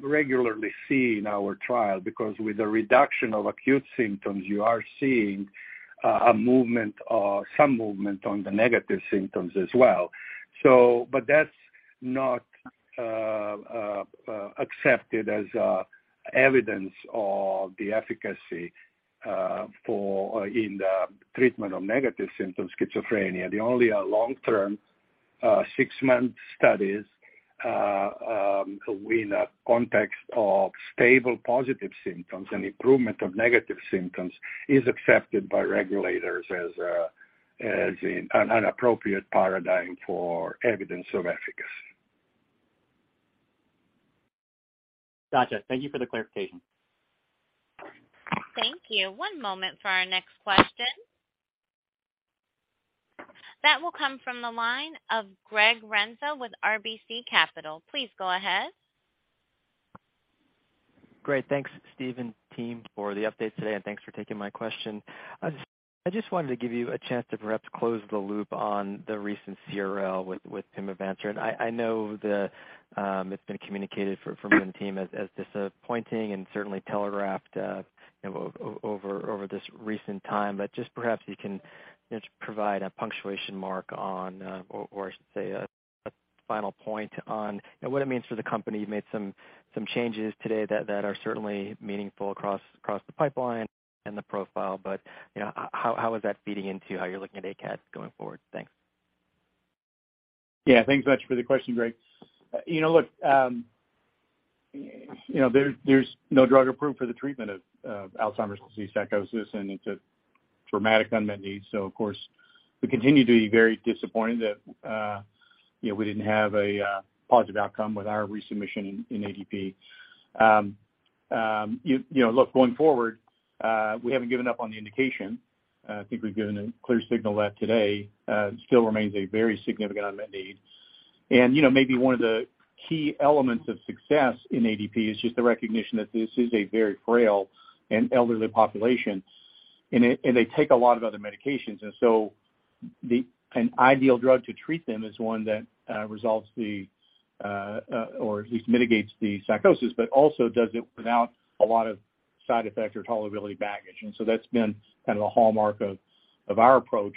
Speaker 7: regularly see in our trial because with the reduction of acute symptoms, you are seeing a movement or some movement on the negative symptoms as well. That's not accepted as evidence of the efficacy for the treatment of negative symptoms schizophrenia. The only long-term six-month studies in a context of stable positive symptoms and improvement of negative symptoms is accepted by regulators as an appropriate paradigm for evidence of efficacy.
Speaker 11: Gotcha. Thank you for the clarification.
Speaker 1: Thank you. One moment for our next question. That will come from the line of Gregory Renza with RBC Capital. Please go ahead.
Speaker 12: Great. Thanks Steve and team for the updates today, and thanks for taking my question. I just wanted to give you a chance to perhaps close the loop on the recent CRL with pimavanserin. I know it's been communicated from the team as disappointing and certainly telegraphed over this recent time. Just perhaps you can provide a punctuation mark on or say a final point on what it means for the company. You made some changes today that are certainly meaningful across the pipeline and the profile. You know, how is that feeding into how you're looking at ACAD going forward? Thanks.
Speaker 3: Yeah. Thanks so much for the question, Greg. You know, look, you know, there's no drug approved for the treatment of Alzheimer's disease psychosis, and it's a dramatic unmet need. So of course, we continue to be very disappointed that you know, we didn't have a positive outcome with our resubmission in ADP. You know, look, going forward, we haven't given up on the indication. I think we've given a clear signal that today still remains a very significant unmet need. You know, maybe one of the key elements of success in ADP is just the recognition that this is a very frail and elderly population, and they take a lot of other medications. An ideal drug to treat them is one that resolves the or at least mitigates the psychosis, but also does it without a lot of side effects or tolerability baggage. That's been kind of the hallmark of our approach,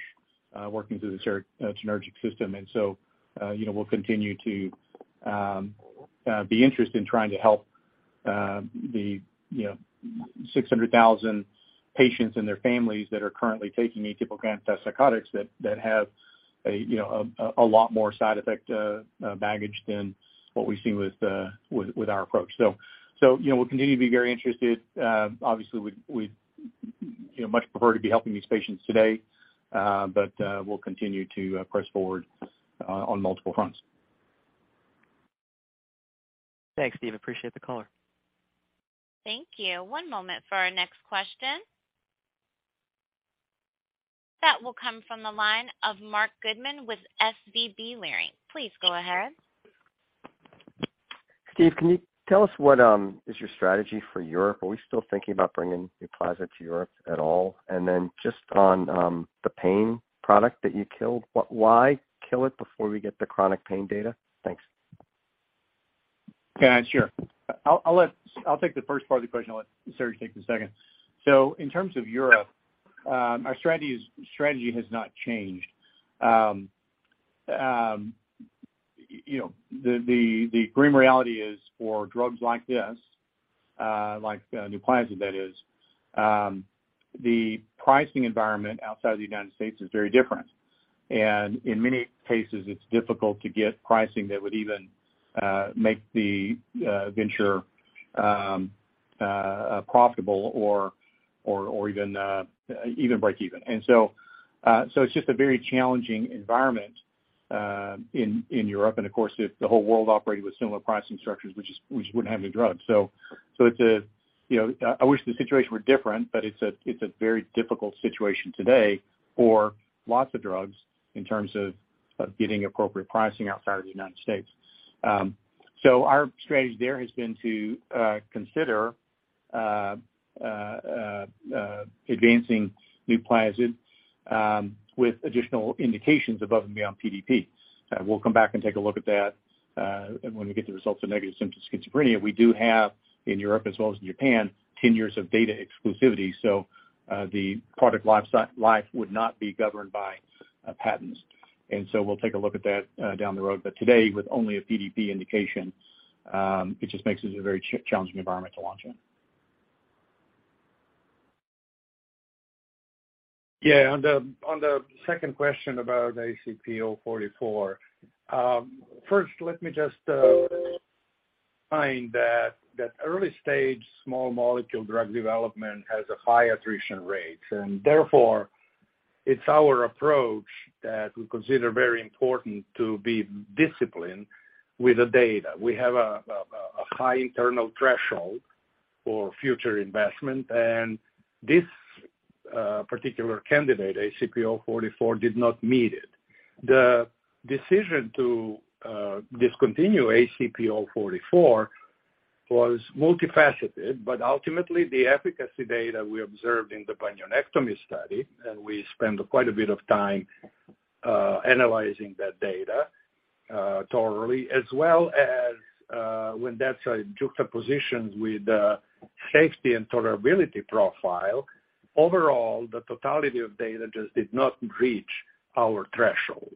Speaker 3: working through the serotonergic system. You know, we'll continue to be interested in trying to help the you know, 600,000 patients and their families that are currently taking atypical antipsychotics that have a you know, a lot more side effect baggage than what we've seen with our approach. So you know, we'll continue to be very interested. Obviously, we'd you know, much prefer to be helping these patients today, but we'll continue to press forward on multiple fronts.
Speaker 12: Thanks, Steve. Appreciate the color.
Speaker 1: Thank you. One moment for our next question. That will come from the line of Marc Goodman with SVB Leerink. Please go ahead.
Speaker 13: Steve, can you tell us what is your strategy for Europe? Are we still thinking about bringing NUPLAZID to Europe at all? Then just on the pain product that you killed, why kill it before we get the chronic pain data? Thanks.
Speaker 3: Yeah, sure. I'll take the first part of the question. I'll let Serge take the second. In terms of Europe, our strategy has not changed. You know, the grim reality is for drugs like this, like NUPLAZID, that is, the pricing environment outside of the United States is very different. In many cases, it's difficult to get pricing that would even make the venture profitable or even break even. It's just a very challenging environment in Europe. Of course, if the whole world operated with similar pricing structures, we just wouldn't have any drugs. It's a, you know. I wish the situation were different, but it's a very difficult situation today for lots of drugs in terms of getting appropriate pricing outside of the United States. Our strategy there has been to advancing NUPLAZID with additional indications above and beyond PDP. We'll come back and take a look at that when we get the results of negative symptoms schizophrenia. We do have in Europe as well as in Japan 10 years of data exclusivity, so the product lifecycle would not be governed by patents. We'll take a look at that down the road. Today, with only a PDP indication, it just makes this a very challenging environment to launch in.
Speaker 7: Yeah. On the second question about ACP-044. First, let me just find that early stage small molecule drug development has a high attrition rate, and therefore it's our approach that we consider very important to be disciplined with the data. We have a high internal threshold for future investment, and this particular candidate, ACP-044, did not meet it. The decision to discontinue ACP-044.
Speaker 3: Was multifaceted, but ultimately the efficacy data we observed in the bunionectomy study, and we spent quite a bit of time analyzing that data thoroughly, as well as when that's juxtaposed with the safety and tolerability profile. Overall, the totality of data just did not reach our threshold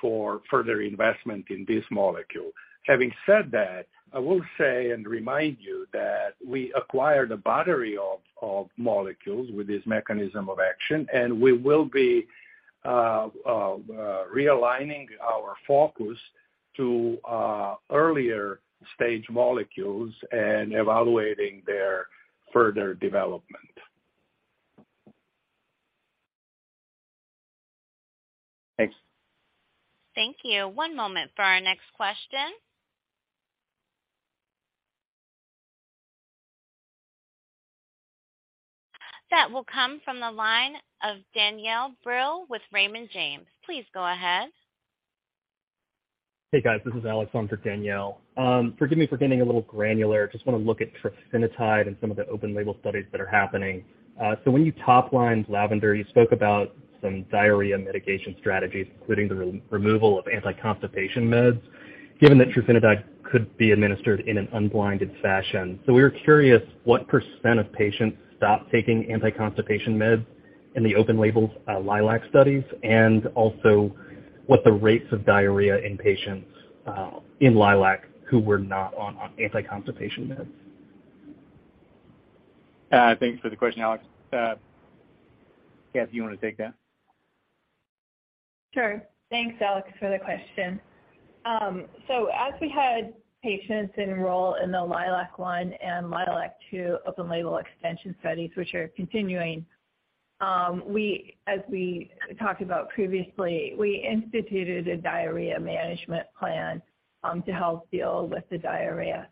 Speaker 3: for further investment in this molecule. Having said that, I will say and remind you that we acquired a battery of molecules with this mechanism of action, and we will be realigning our focus to earlier stage molecules and evaluating their further development.
Speaker 13: Thanks.
Speaker 1: Thank you. One moment for our next question. That will come from the line of Danielle Brill with Raymond James. Please go ahead.
Speaker 14: Hey, guys. This is Alex on for Danielle Brill. Forgive me for getting a little granular. Just wanna look at trofinetide and some of the open label studies that are happening. When you top-lined LAVENDER, you spoke about some diarrhea mitigation strategies, including the re-removal of anti-constipation meds, given that trofinetide could be administered in an unblinded fashion. We were curious what % of patients stopped taking anti-constipation meds in the open label LILAC studies, and also what the rates of diarrhea in patients in LILAC who were not on anti-constipation meds.
Speaker 3: Thanks for the question, Alex. Kathie, you wanna take that?
Speaker 6: Sure. Thanks, Alex, for the question. As we had patients enroll in the LILAC-1 and LILAC-2 open-label extension studies, which are continuing, as we talked about previously, we instituted a diarrhea management plan to help deal with the diarrhea.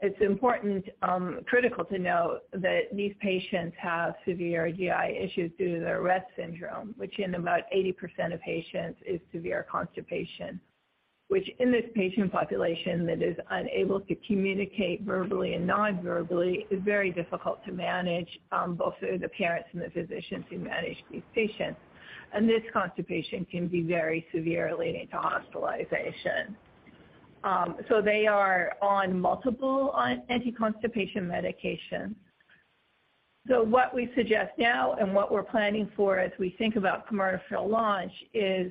Speaker 6: It's important, critical to know that these patients have severe GI issues due to their Rett syndrome, which in about 80% of patients is severe constipation, which in this patient population that is unable to communicate verbally and non-verbally is very difficult to manage, both for the parents and the physicians who manage these patients. This constipation can be very severe, leading to hospitalization. They are on multiple anti-constipation medications. What we suggest now and what we're planning for as we think about commercial launch is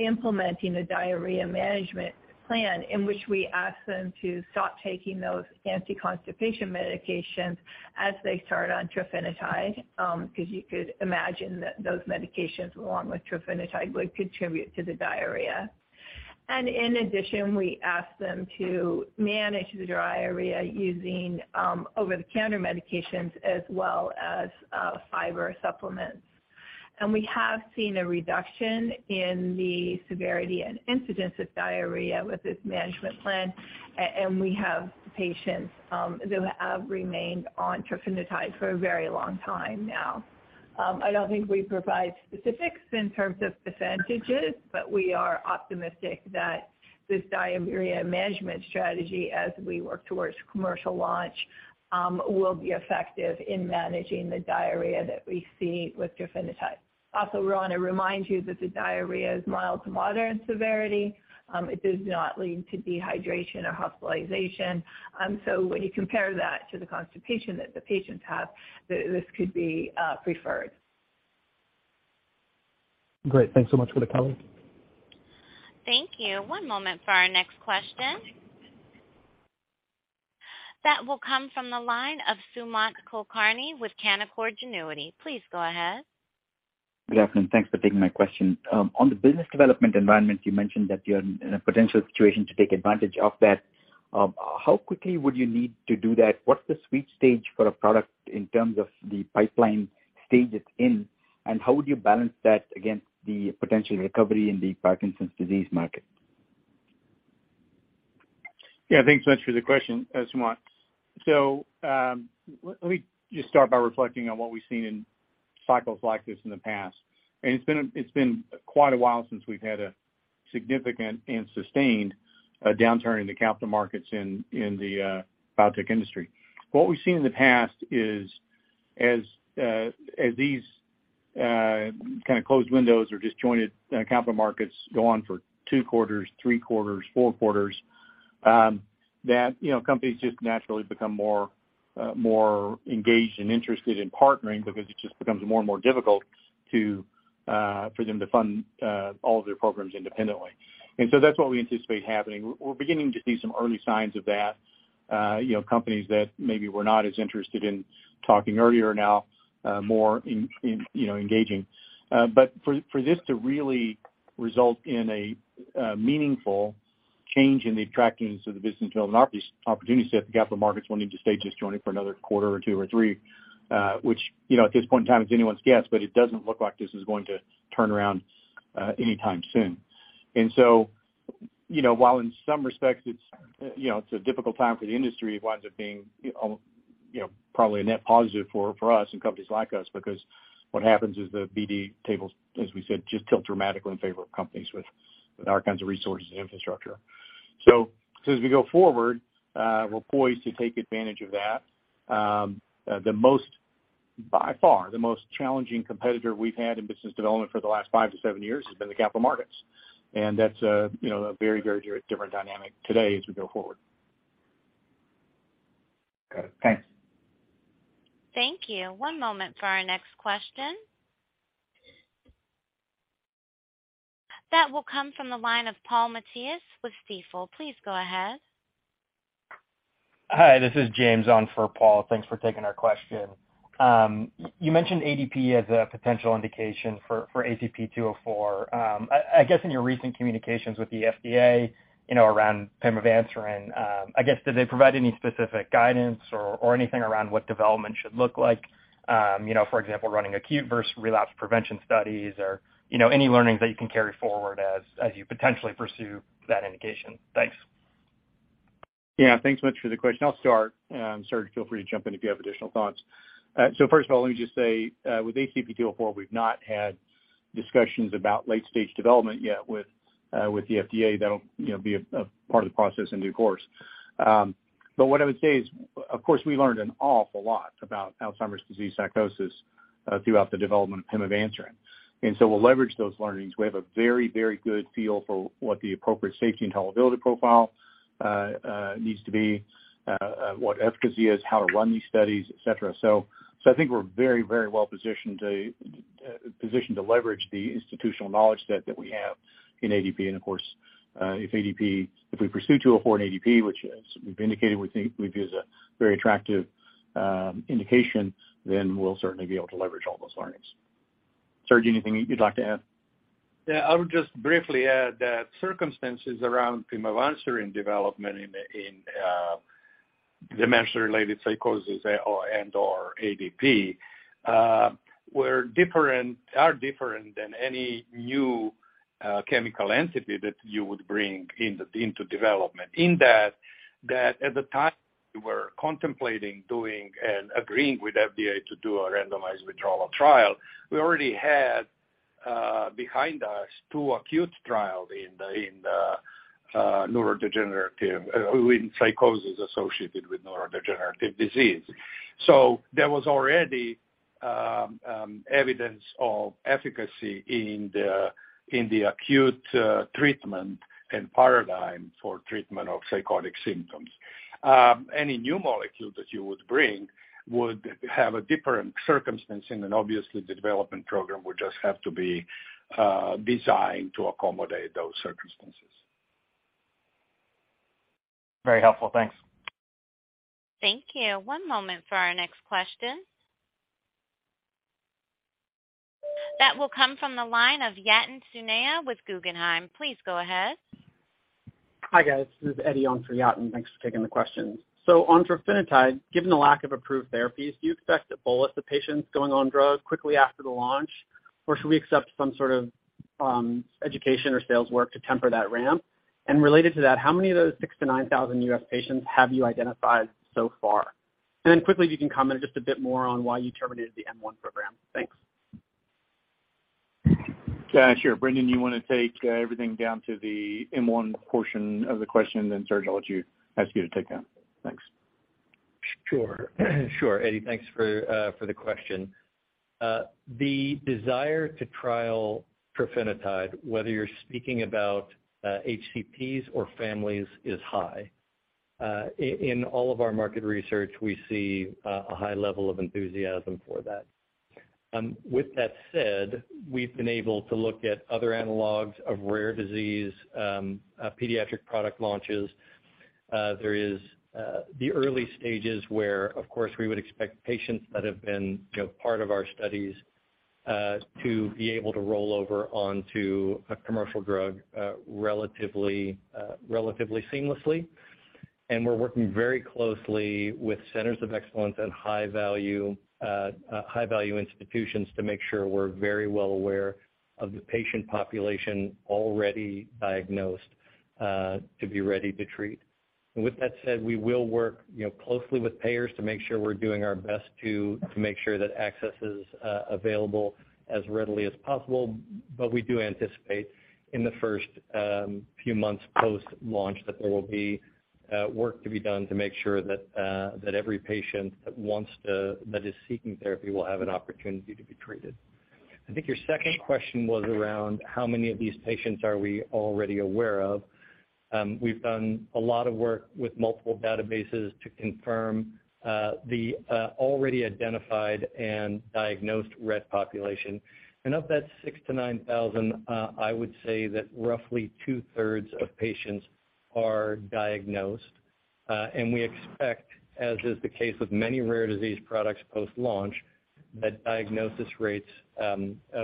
Speaker 6: implementing a diarrhea management plan in which we ask them to stop taking those anti-constipation medications as they start on trofinetide, 'cause you could imagine that those medications, along with trofinetide, would contribute to the diarrhea. In addition, we ask them to manage the diarrhea using over-the-counter medications as well as fiber supplements. We have seen a reduction in the severity and incidence of diarrhea with this management plan. We have patients who have remained on trofinetide for a very long time now. I don't think we provide specifics in terms of percentages, but we are optimistic that this diarrhea management strategy, as we work towards commercial launch, will be effective in managing the diarrhea that we see with trofinetide. Also, we wanna remind you that the diarrhea is mild to moderate in severity. It does not lead to dehydration or hospitalization. When you compare that to the constipation that the patients have, this could be preferred.
Speaker 14: Great. Thanks so much for the color.
Speaker 1: Thank you. One moment for our next question. That will come from the line of Sumant Kulkarni with Canaccord Genuity. Please go ahead.
Speaker 15: Good afternoon. Thanks for taking my question. On the business development environment, you mentioned that you're in a potential situation to take advantage of that. How quickly would you need to do that? What's the sweet spot for a product in terms of the pipeline stage it's in, and how would you balance that against the potential recovery in the Parkinson's disease market?
Speaker 3: Yeah. Thanks so much for the question, Sumant. Let me just start by reflecting on what we've seen in cycles like this in the past. It's been quite a while since we've had a significant and sustained downturn in the capital markets in the biotech industry. What we've seen in the past is, as these kinda closed windows or disjointed capital markets go on for two quarters, three quarters, four quarters, you know, companies just naturally become more engaged and interested in partnering because it just becomes more and more difficult for them to fund all of their programs independently. That's what we anticipate happening. We're beginning to see some early signs of that. You know, companies that maybe were not as interested in talking earlier are now more engaging. But for this to really result in a meaningful change in the attractiveness of the business development opportunity set, the capital markets will need to stay disjointed for another quarter or two or three, which, you know, at this point in time, it's anyone's guess, but it doesn't look like this is going to turn around anytime soon. You know, while in some respects it's a difficult time for the industry, it winds up being, you know, probably a net positive for us and companies like us because what happens is the BD tables, as we said, just tilt dramatically in favor of companies with our kinds of resources and infrastructure. As we go forward, we're poised to take advantage of that. By far, the most challenging competitor we've had in business development for the last 5 years-7 years has been the capital markets. That's a, you know, a very, very different dynamic today as we go forward.
Speaker 15: Got it. Thanks.
Speaker 1: Thank you. One moment for our next question. That will come from the line of Paul Matteis with Stifel. Please go ahead.
Speaker 16: Hi, this is James on for Paul. Thanks for taking our question. You mentioned ADP as a potential indication for ACP-204. I guess in your recent communications with the FDA, you know, around pimavanserin, I guess, did they provide any specific guidance or anything around what development should look like? You know, for example, running acute versus relapse prevention studies or, you know, any learnings that you can carry forward as you potentially pursue that indication. Thanks.
Speaker 3: Yeah, thanks much for the question. I'll start. Serge, feel free to jump in if you have additional thoughts. First of all, let me just say, with ACP-204, we've not had discussions about late-stage development yet with the FDA. That'll, you know, be a part of the process in due course. What I would say is, of course, we learned an awful lot about Alzheimer's disease psychosis throughout the development of pimavanserin. We'll leverage those learnings. We have a very good feel for what the appropriate safety and tolerability profile needs to be, what efficacy is, how to run these studies, et cetera. I think we're very well positioned to leverage the institutional knowledge set that we have in ADP. Of course, if we pursue for an ADP, which as we've indicated, we think we view as a very attractive indication, then we'll certainly be able to leverage all those learnings. Serge, anything you'd like to add?
Speaker 7: Yeah, I would just briefly add that circumstances around pimavanserin development in dementia-related psychosis or and/or ADP are different than any new chemical entity that you would bring into development. In that at the time we were contemplating doing and agreeing with FDA to do a randomized withdrawal trial, we already had behind us two acute trials in the neurodegenerative psychosis associated with neurodegenerative disease. There was already evidence of efficacy in the acute treatment and paradigm for treatment of psychotic symptoms. Any new molecule that you would bring would have a different circumstance, and then obviously the development program would just have to be designed to accommodate those circumstances.
Speaker 16: Very helpful. Thanks.
Speaker 1: Thank you. One moment for our next question. That will come from the line of Yatin Suneja with Guggenheim. Please go ahead.
Speaker 17: Hi, guys. This is Eddie on for Yatin. Thanks for taking the questions. Onto trofinetide, given the lack of approved therapies, do you expect a bolus of patients going on drug quickly after the launch? Or should we accept some sort of education or sales work to temper that ramp? And related to that, how many of those 6,000-9,000 U.S. patients have you identified so far? And then quickly, if you can comment just a bit more on why you terminated the M1 program. Thanks.
Speaker 3: Yeah, sure. Brendan, you want to take everything down to the M1 portion of the question, then Serge, I'll ask you to take that. Thanks.
Speaker 5: Sure, Eddie. Thanks for the question. The desire to trial trofinetide, whether you're speaking about HCPs or families, is high. In all of our market research, we see a high level of enthusiasm for that. With that said, we've been able to look at other analogs of rare disease pediatric product launches. There is the early stages where, of course, we would expect patients that have been, you know, part of our studies to be able to roll over onto a commercial drug relatively seamlessly. We're working very closely with centers of excellence and high-value institutions to make sure we're very well aware of the patient population already diagnosed to be ready to treat. With that said, we will work, you know, closely with payers to make sure we're doing our best to make sure that access is available as readily as possible. We do anticipate in the first few months post-launch that there will be work to be done to make sure that every patient that is seeking therapy will have an opportunity to be treated. I think your second question was around how many of these patients are we already aware of. We've done a lot of work with multiple databases to confirm the already identified and diagnosed Rett population. Of that 6,000 patients-9,000 patients, I would say that roughly two-thirds of patients are diagnosed. We expect, as is the case with many rare disease products post-launch, that diagnosis rates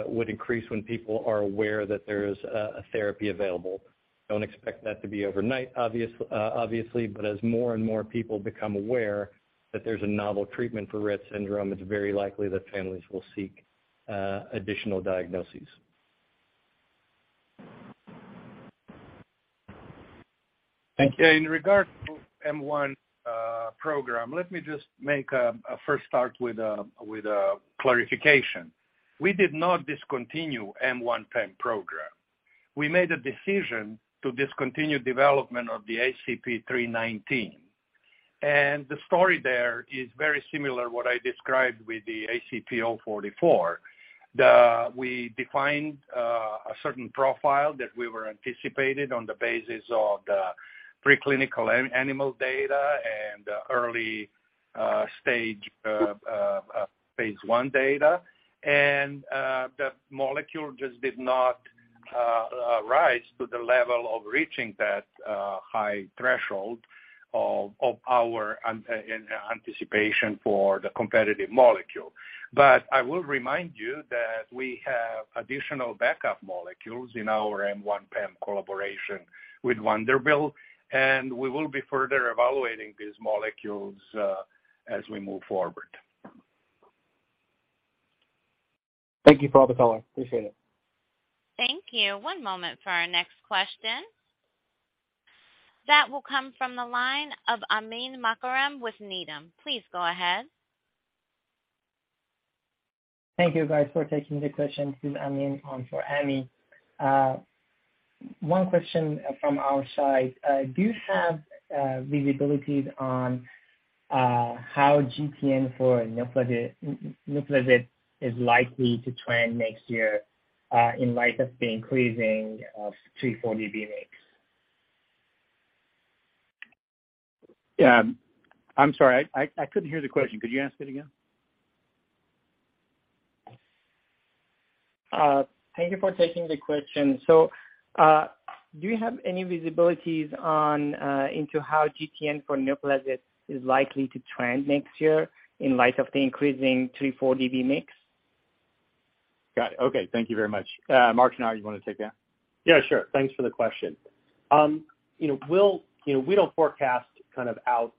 Speaker 5: would increase when people are aware that there is a therapy available. Don't expect that to be overnight, obviously, but as more and more people become aware that there's a novel treatment for Rett syndrome, it's very likely that families will seek additional diagnoses.
Speaker 7: Thank you. In regard to M1 program, let me just make a first start with a clarification. We did not discontinue M1 PAM program. We made a decision to discontinue development of the ACP-319. The story there is very similar to what I described with the ACP-044. We defined a certain profile that we were anticipating on the basis of the preclinical animal data and early stage phase 1 data. The molecule just did not rise to the level of reaching that high threshold of our anticipation for the competitive molecule. I will remind you that we have additional backup molecules in our M1 PAM collaboration with Vanderbilt, and we will be further evaluating these molecules as we move forward.
Speaker 17: Thank you for all the color. Appreciate it.
Speaker 1: Thank you. One moment for our next question. That will come from the line of Amin Makarem with Needham. Please go ahead.
Speaker 18: Thank you guys for taking the question. This is Amin on for Amy. One question from our side. Do you have visibilities on how GTN for NUPLAZID is likely to trend next year, in light of the increasing of 340B mix?
Speaker 7: Yeah. I'm sorry, I couldn't hear the question. Could you ask it again?
Speaker 18: Thank you for taking the question. Do you have any visibility into how GTN for NUPLAZID is likely to trend next year in light of the increasing 340B mix?
Speaker 7: Got it. Okay. Thank you very much. Mark and I, you want to take that?
Speaker 4: Yeah, sure. Thanks for the question. You know, we'll, you know, we don't forecast kind of out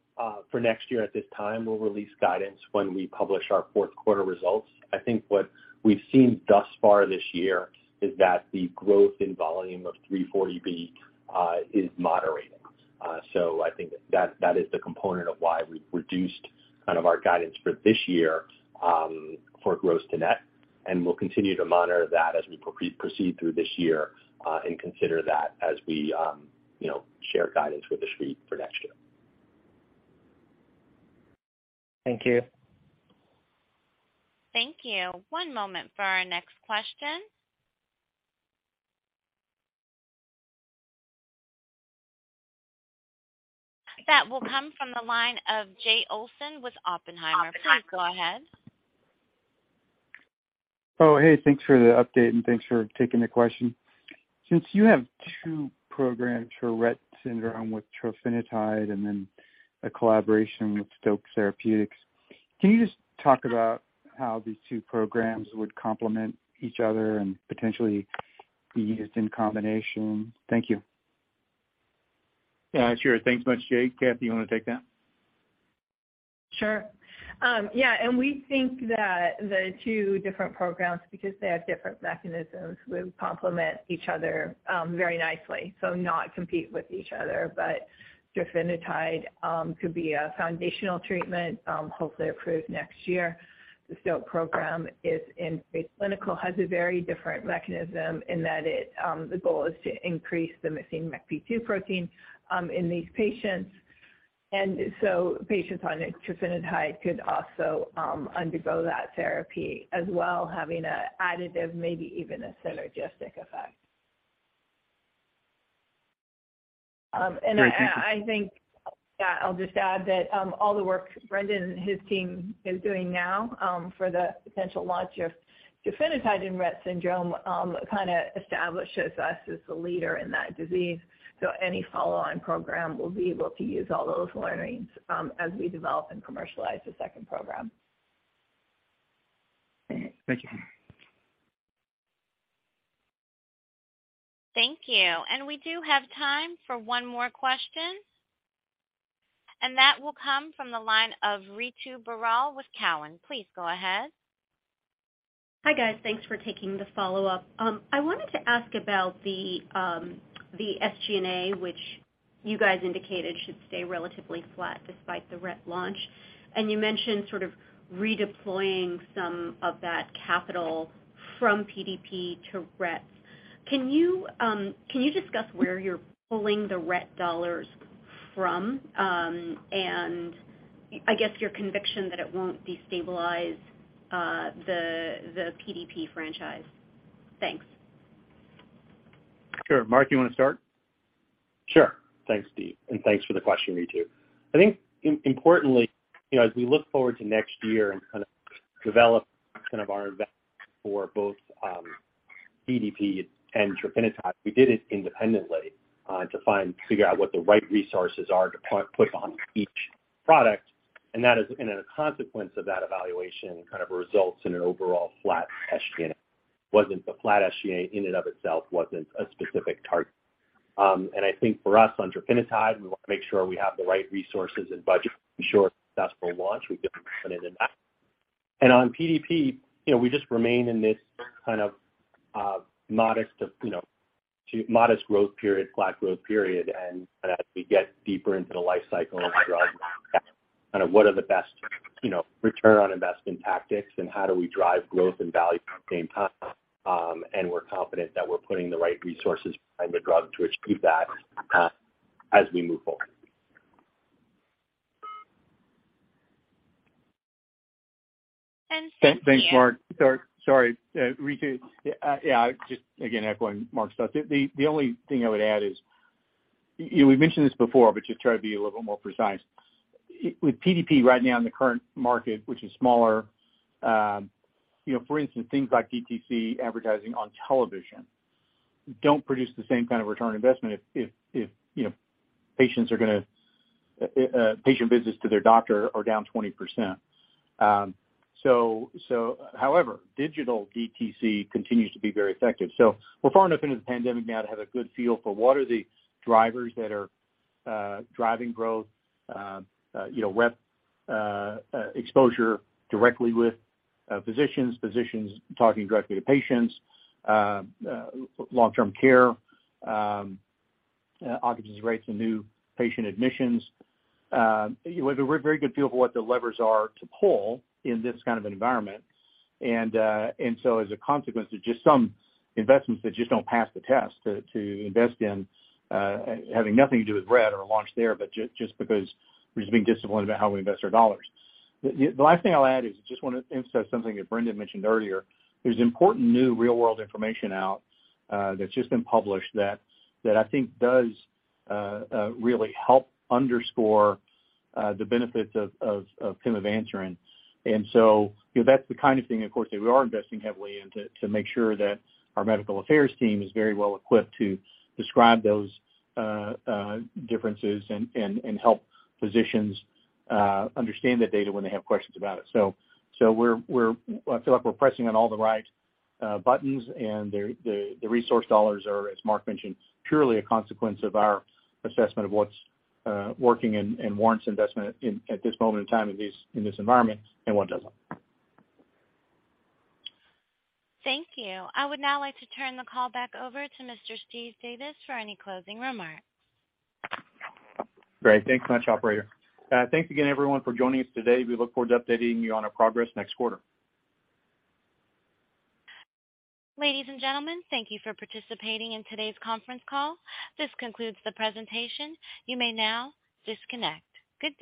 Speaker 4: for next year at this time. We'll release guidance when we publish our fourth quarter results. I think what we've seen thus far this year is that the growth in volume of 340B is moderating. So I think that is the component of why we've reduced kind of our guidance for this year for gross to net, and we'll continue to monitor that as we proceed through this year and consider that as we, you know, share guidance with the street for next year.
Speaker 18: Thank you.
Speaker 1: Thank you. One moment for our next question. That will come from the line of Jay Olson with Oppenheimer. Please go ahead.
Speaker 19: Oh, hey, thanks for the update, and thanks for taking the question. Since you have two programs for Rett syndrome with trofinetide and then a collaboration with Stoke Therapeutics, can you just talk about how these two programs would complement each other and potentially be used in combination? Thank you.
Speaker 7: Yeah, sure. Thanks much, Jay. Kathie, you want to take that?
Speaker 6: Sure. Yeah, we think that the two different programs, because they have different mechanisms, will complement each other, very nicely, so not compete with each other. Trofinetide could be a foundational treatment, hopefully approved next year. The Stoke program is in late clinical, has a very different mechanism in that it, the goal is to increase the missing MECP2 protein, in these patients. Patients on trofinetide could also undergo that therapy as well, having an additive, maybe even a synergistic effect.
Speaker 19: Great. Thank you.
Speaker 6: I think that I'll just add that all the work Brendan and his team is doing now for the potential launch of trofinetide in Rett syndrome kind of establishes us as the leader in that disease. Any follow on program will be able to use all those learnings as we develop and commercialize the second program.
Speaker 19: Thank you.
Speaker 1: Thank you. We do have time for one more question. That will come from the line of Ritu Baral with Cowen. Please go ahead.
Speaker 9: Hi, guys. Thanks for taking the follow-up. I wanted to ask about the SG&A, which you guys indicated should stay relatively flat despite the Rett launch. You mentioned sort of redeploying some of that capital from PDP to Rett. Can you discuss where you're pulling the Rett dollars from? I guess your conviction that it won't destabilize the PDP franchise. Thanks.
Speaker 3: Sure. Mark, you want to start?
Speaker 4: Sure. Thanks, Steve, and thanks for the question, Ritu. I think importantly, you know, as we look forward to next year and kind of develop our investment for both PDP and trofinetide, we did it independently to figure out what the right resources are to put on each product. That is a consequence of that evaluation kind of results in an overall flat SG&A. It wasn't the flat SG&A in and of itself a specific target. I think for us on trofinetide, we want to make sure we have the right resources and budget to ensure successful launch. We're different in that. On PDP, you know, we just remain in this kind of modest growth period, flat growth period. as we get deeper into the life cycle of the drug, kind of what are the best, you know, return on investment tactics and how do we drive growth and value at the same time. We're confident that we're putting the right resources behind the drug to achieve that, as we move forward. Steve.
Speaker 3: Thanks, Mark. Sorry, Ritu. Yeah, just again, echoing Mark's thoughts. The only thing I would add is, you know, we've mentioned this before, but just try to be a little more precise. With PDP right now in the current market, which is smaller, you know, for instance, things like DTC advertising on television don't produce the same kind of return on investment if patient visits to their doctor are down 20%. So however, digital DTC continues to be very effective. We're far enough into the pandemic now to have a good feel for what are the drivers that are driving growth, you know, rep exposure directly with physicians talking directly to patients, long-term care, occupancy rates and new patient admissions. We have a very good feel for what the levers are to pull in this kind of environment. As a consequence, there's just some investments that just don't pass the test to invest in, having nothing to do with R&D or launch there, but just because we're just being disciplined about how we invest our dollars. The last thing I'll add is I just wanna emphasize something that Brendan mentioned earlier. There's important new real-world information out that's just been published that I think does really help underscore the benefits of pimavanserin. You know, that's the kind of thing, of course, that we are investing heavily in to make sure that our medical affairs team is very well equipped to describe those differences and help physicians understand the data when they have questions about it. I feel like we're pressing on all the right buttons, and the resource dollars are, as Mark mentioned, purely a consequence of our assessment of what's working and warrants investment in, at this moment in time in this environment and what doesn't.
Speaker 1: Thank you. I would now like to turn the call back over to Mr. Steve Davis for any closing remarks.
Speaker 3: Great. Thanks much, operator. Thanks again, everyone, for joining us today. We look forward to updating you on our progress next quarter.
Speaker 1: Ladies and gentlemen, thank you for participating in today's conference call. This concludes the presentation. You may now disconnect. Good day.